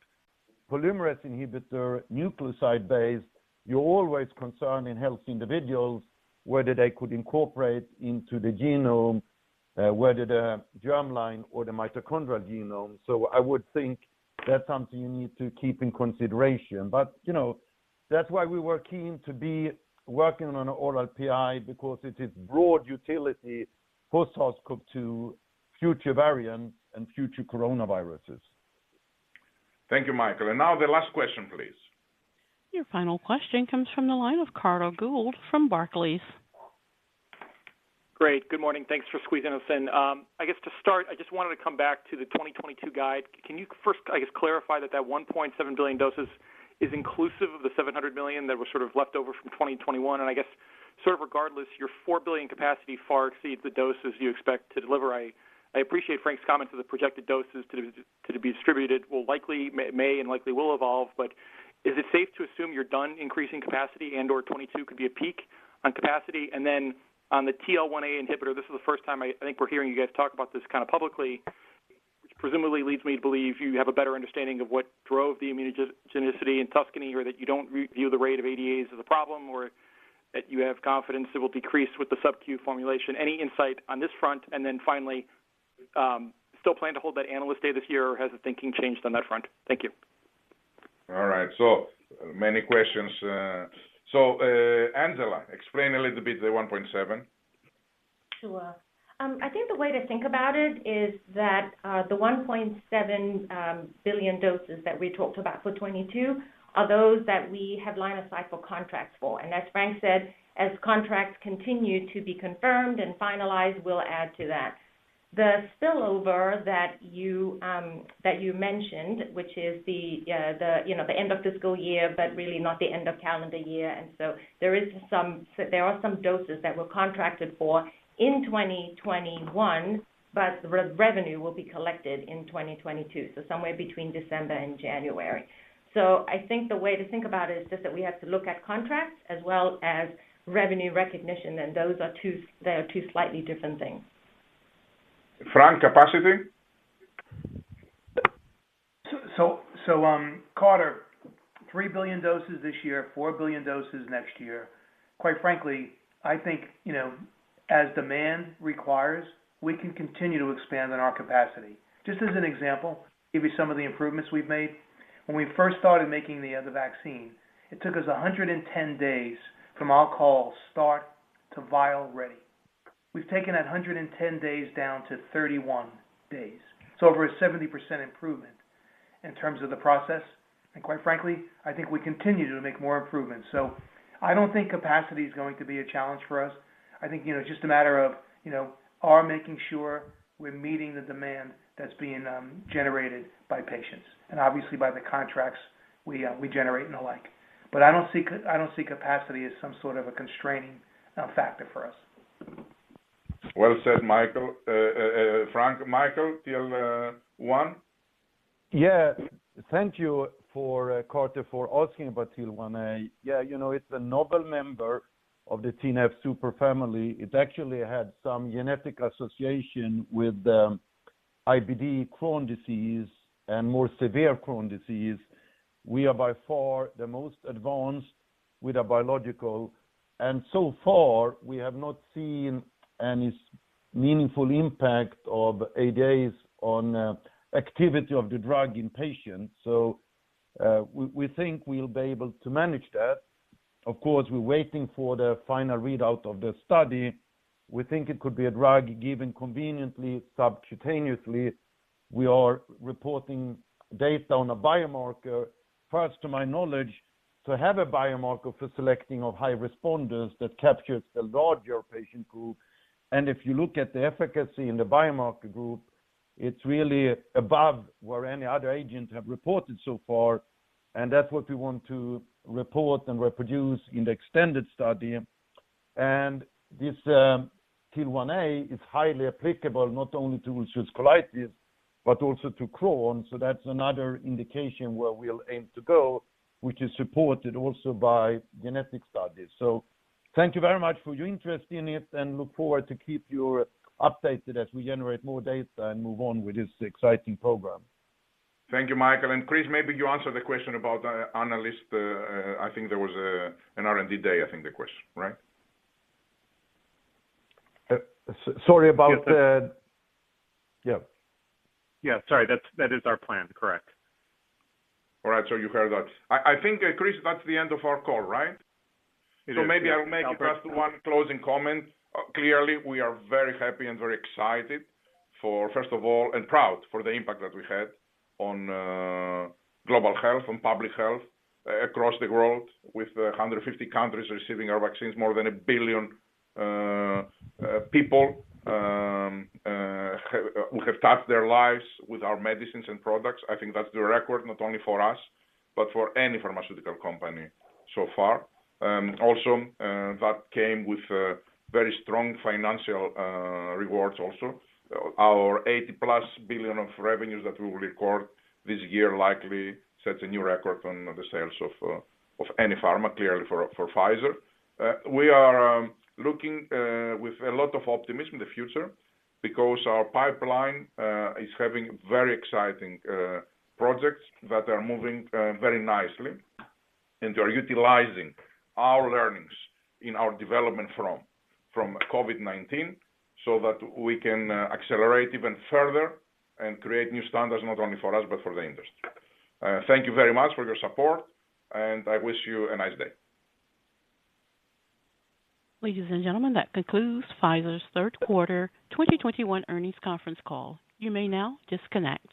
Polymerase inhibitor, nucleoside-based, you're always concerned in healthy individuals whether they could incorporate into the genome, whether the germline or the mitochondrial genome. I would think that's something you need to keep in consideration. You know, that's why we were keen to be working on an oral PI because it is broad utility post hoc to future variants and future coronaviruses. Thank you, Mikael. Now the last question, please. Your final question comes from the line of Carter Gould from Barclays. Great. Good morning. Thanks for squeezing us in. I guess to start, I just wanted to come back to the 2022 guide. Can you first, I guess, clarify that that 1.7 billion doses is inclusive of the 700 million that were sort of left over from 2021? And I guess sort of regardless, your 4 billion capacity far exceeds the doses you expect to deliver. I appreciate Frank's comment that the projected doses to be distributed will likely may and likely will evolve. Is it safe to assume you're done increasing capacity and/or 2022 could be a peak on capacity? On the TL1A inhibitor, this is the first time I think we're hearing you guys talk about this kind of publicly, which presumably leads me to believe you have a better understanding of what drove the immunogenicity in TUSCANY or that you don't review the rate of ADAs as a problem, or that you have confidence it will decrease with the subcu formulation. Any insight on this front? Finally, still plan to hold that analyst day this year, or has the thinking changed on that front? Thank you. All right. Many questions. Angela, explain a little bit the 1.7 billion. Sure. I think the way to think about it is that the 1.7 billion doses that we talked about for 2022 are those that we have line of sight contracts for. As Frank said, as contracts continue to be confirmed and finalized, we'll add to that. The spillover that you mentioned, which is the end of fiscal year, but really not the end of calendar year. There are some doses that were contracted for in 2021, but revenue will be collected in 2022, so somewhere between December and January. I think the way to think about it is just that we have to look at contracts as well as revenue recognition, and those are two slightly different things. Frank, capacity. Carter, 3 billion doses this year, 4 billion doses next year. Quite frankly, I think, you know, as demand requires, we can continue to expand on our capacity. Just as an example, give you some of the improvements we've made. When we first started making the vaccine, it took us 110 days from what I'll call start to vial ready. We've taken that 110 days down to 31 days. Over a 70% improvement in terms of the process. Quite frankly, I think we continue to make more improvements. I don't think capacity is going to be a challenge for us. I think, you know, just a matter of, you know, our making sure we're meeting the demand that's being generated by patients and obviously by the contracts we generate and the like. I don't see capacity as some sort of a constraining factor for us. Well said, Mikael, Frank. Mikael, TL1A? Yeah. Thank you for, Carter, for asking about TL1A. Yeah, you know, it's a novel member of the TNF superfamily. It actually had some genetic association with IBD Crohn's disease and more severe Crohn's disease. We are by far the most advanced with a biological, and so far we have not seen any meaningful impact of ADAs on activity of the drug in patients. We think we'll be able to manage that. Of course, we're waiting for the final readout of the study. We think it could be a drug given conveniently subcutaneously. We are reporting data on a biomarker, first, to my knowledge, to have a biomarker for selecting of high responders that captures the larger patient group. If you look at the efficacy in the biomarker group, it's really above where any other agent have reported so far, and that's what we want to report and reproduce in the extended study. This TL1A is highly applicable not only to ulcerative colitis, but also to Crohn's. That's another indication where we'll aim to go, which is supported also by genetic studies. Thank you very much for your interest in it, and look forward to keep you updated as we generate more data and move on with this exciting program. Thank you, Mikael. Chris, maybe you answer the question about analyst. I think there was an R&D day, I think the question. Right? Yeah. Sorry. That is our plan. Correct. All right. You heard that. I think, Chris, that's the end of our call, right? It is, yeah. Maybe I'll make just one closing comment. Clearly, we are very happy and very excited for, first of all, and proud for the impact that we had on global health and public health across the world with 150 countries receiving our vaccines. More than a billion people who have touched their lives with our medicines and products. I think that's the record, not only for us, but for any pharmaceutical company so far. Also, that came with very strong financial rewards also. Our $80+ billion of revenues that we will record this year likely sets a new record on the sales of any pharma, clearly for Pfizer. We are looking with a lot of optimism the future because our pipeline is having very exciting projects that are moving very nicely and are utilizing our learnings in our development from COVID-19, so that we can accelerate even further and create new standards not only for us, but for the industry. Thank you very much for your support, and I wish you a nice day. Ladies and gentlemen, that concludes Pfizer's third quarter 2021 earnings conference call. You may now disconnect.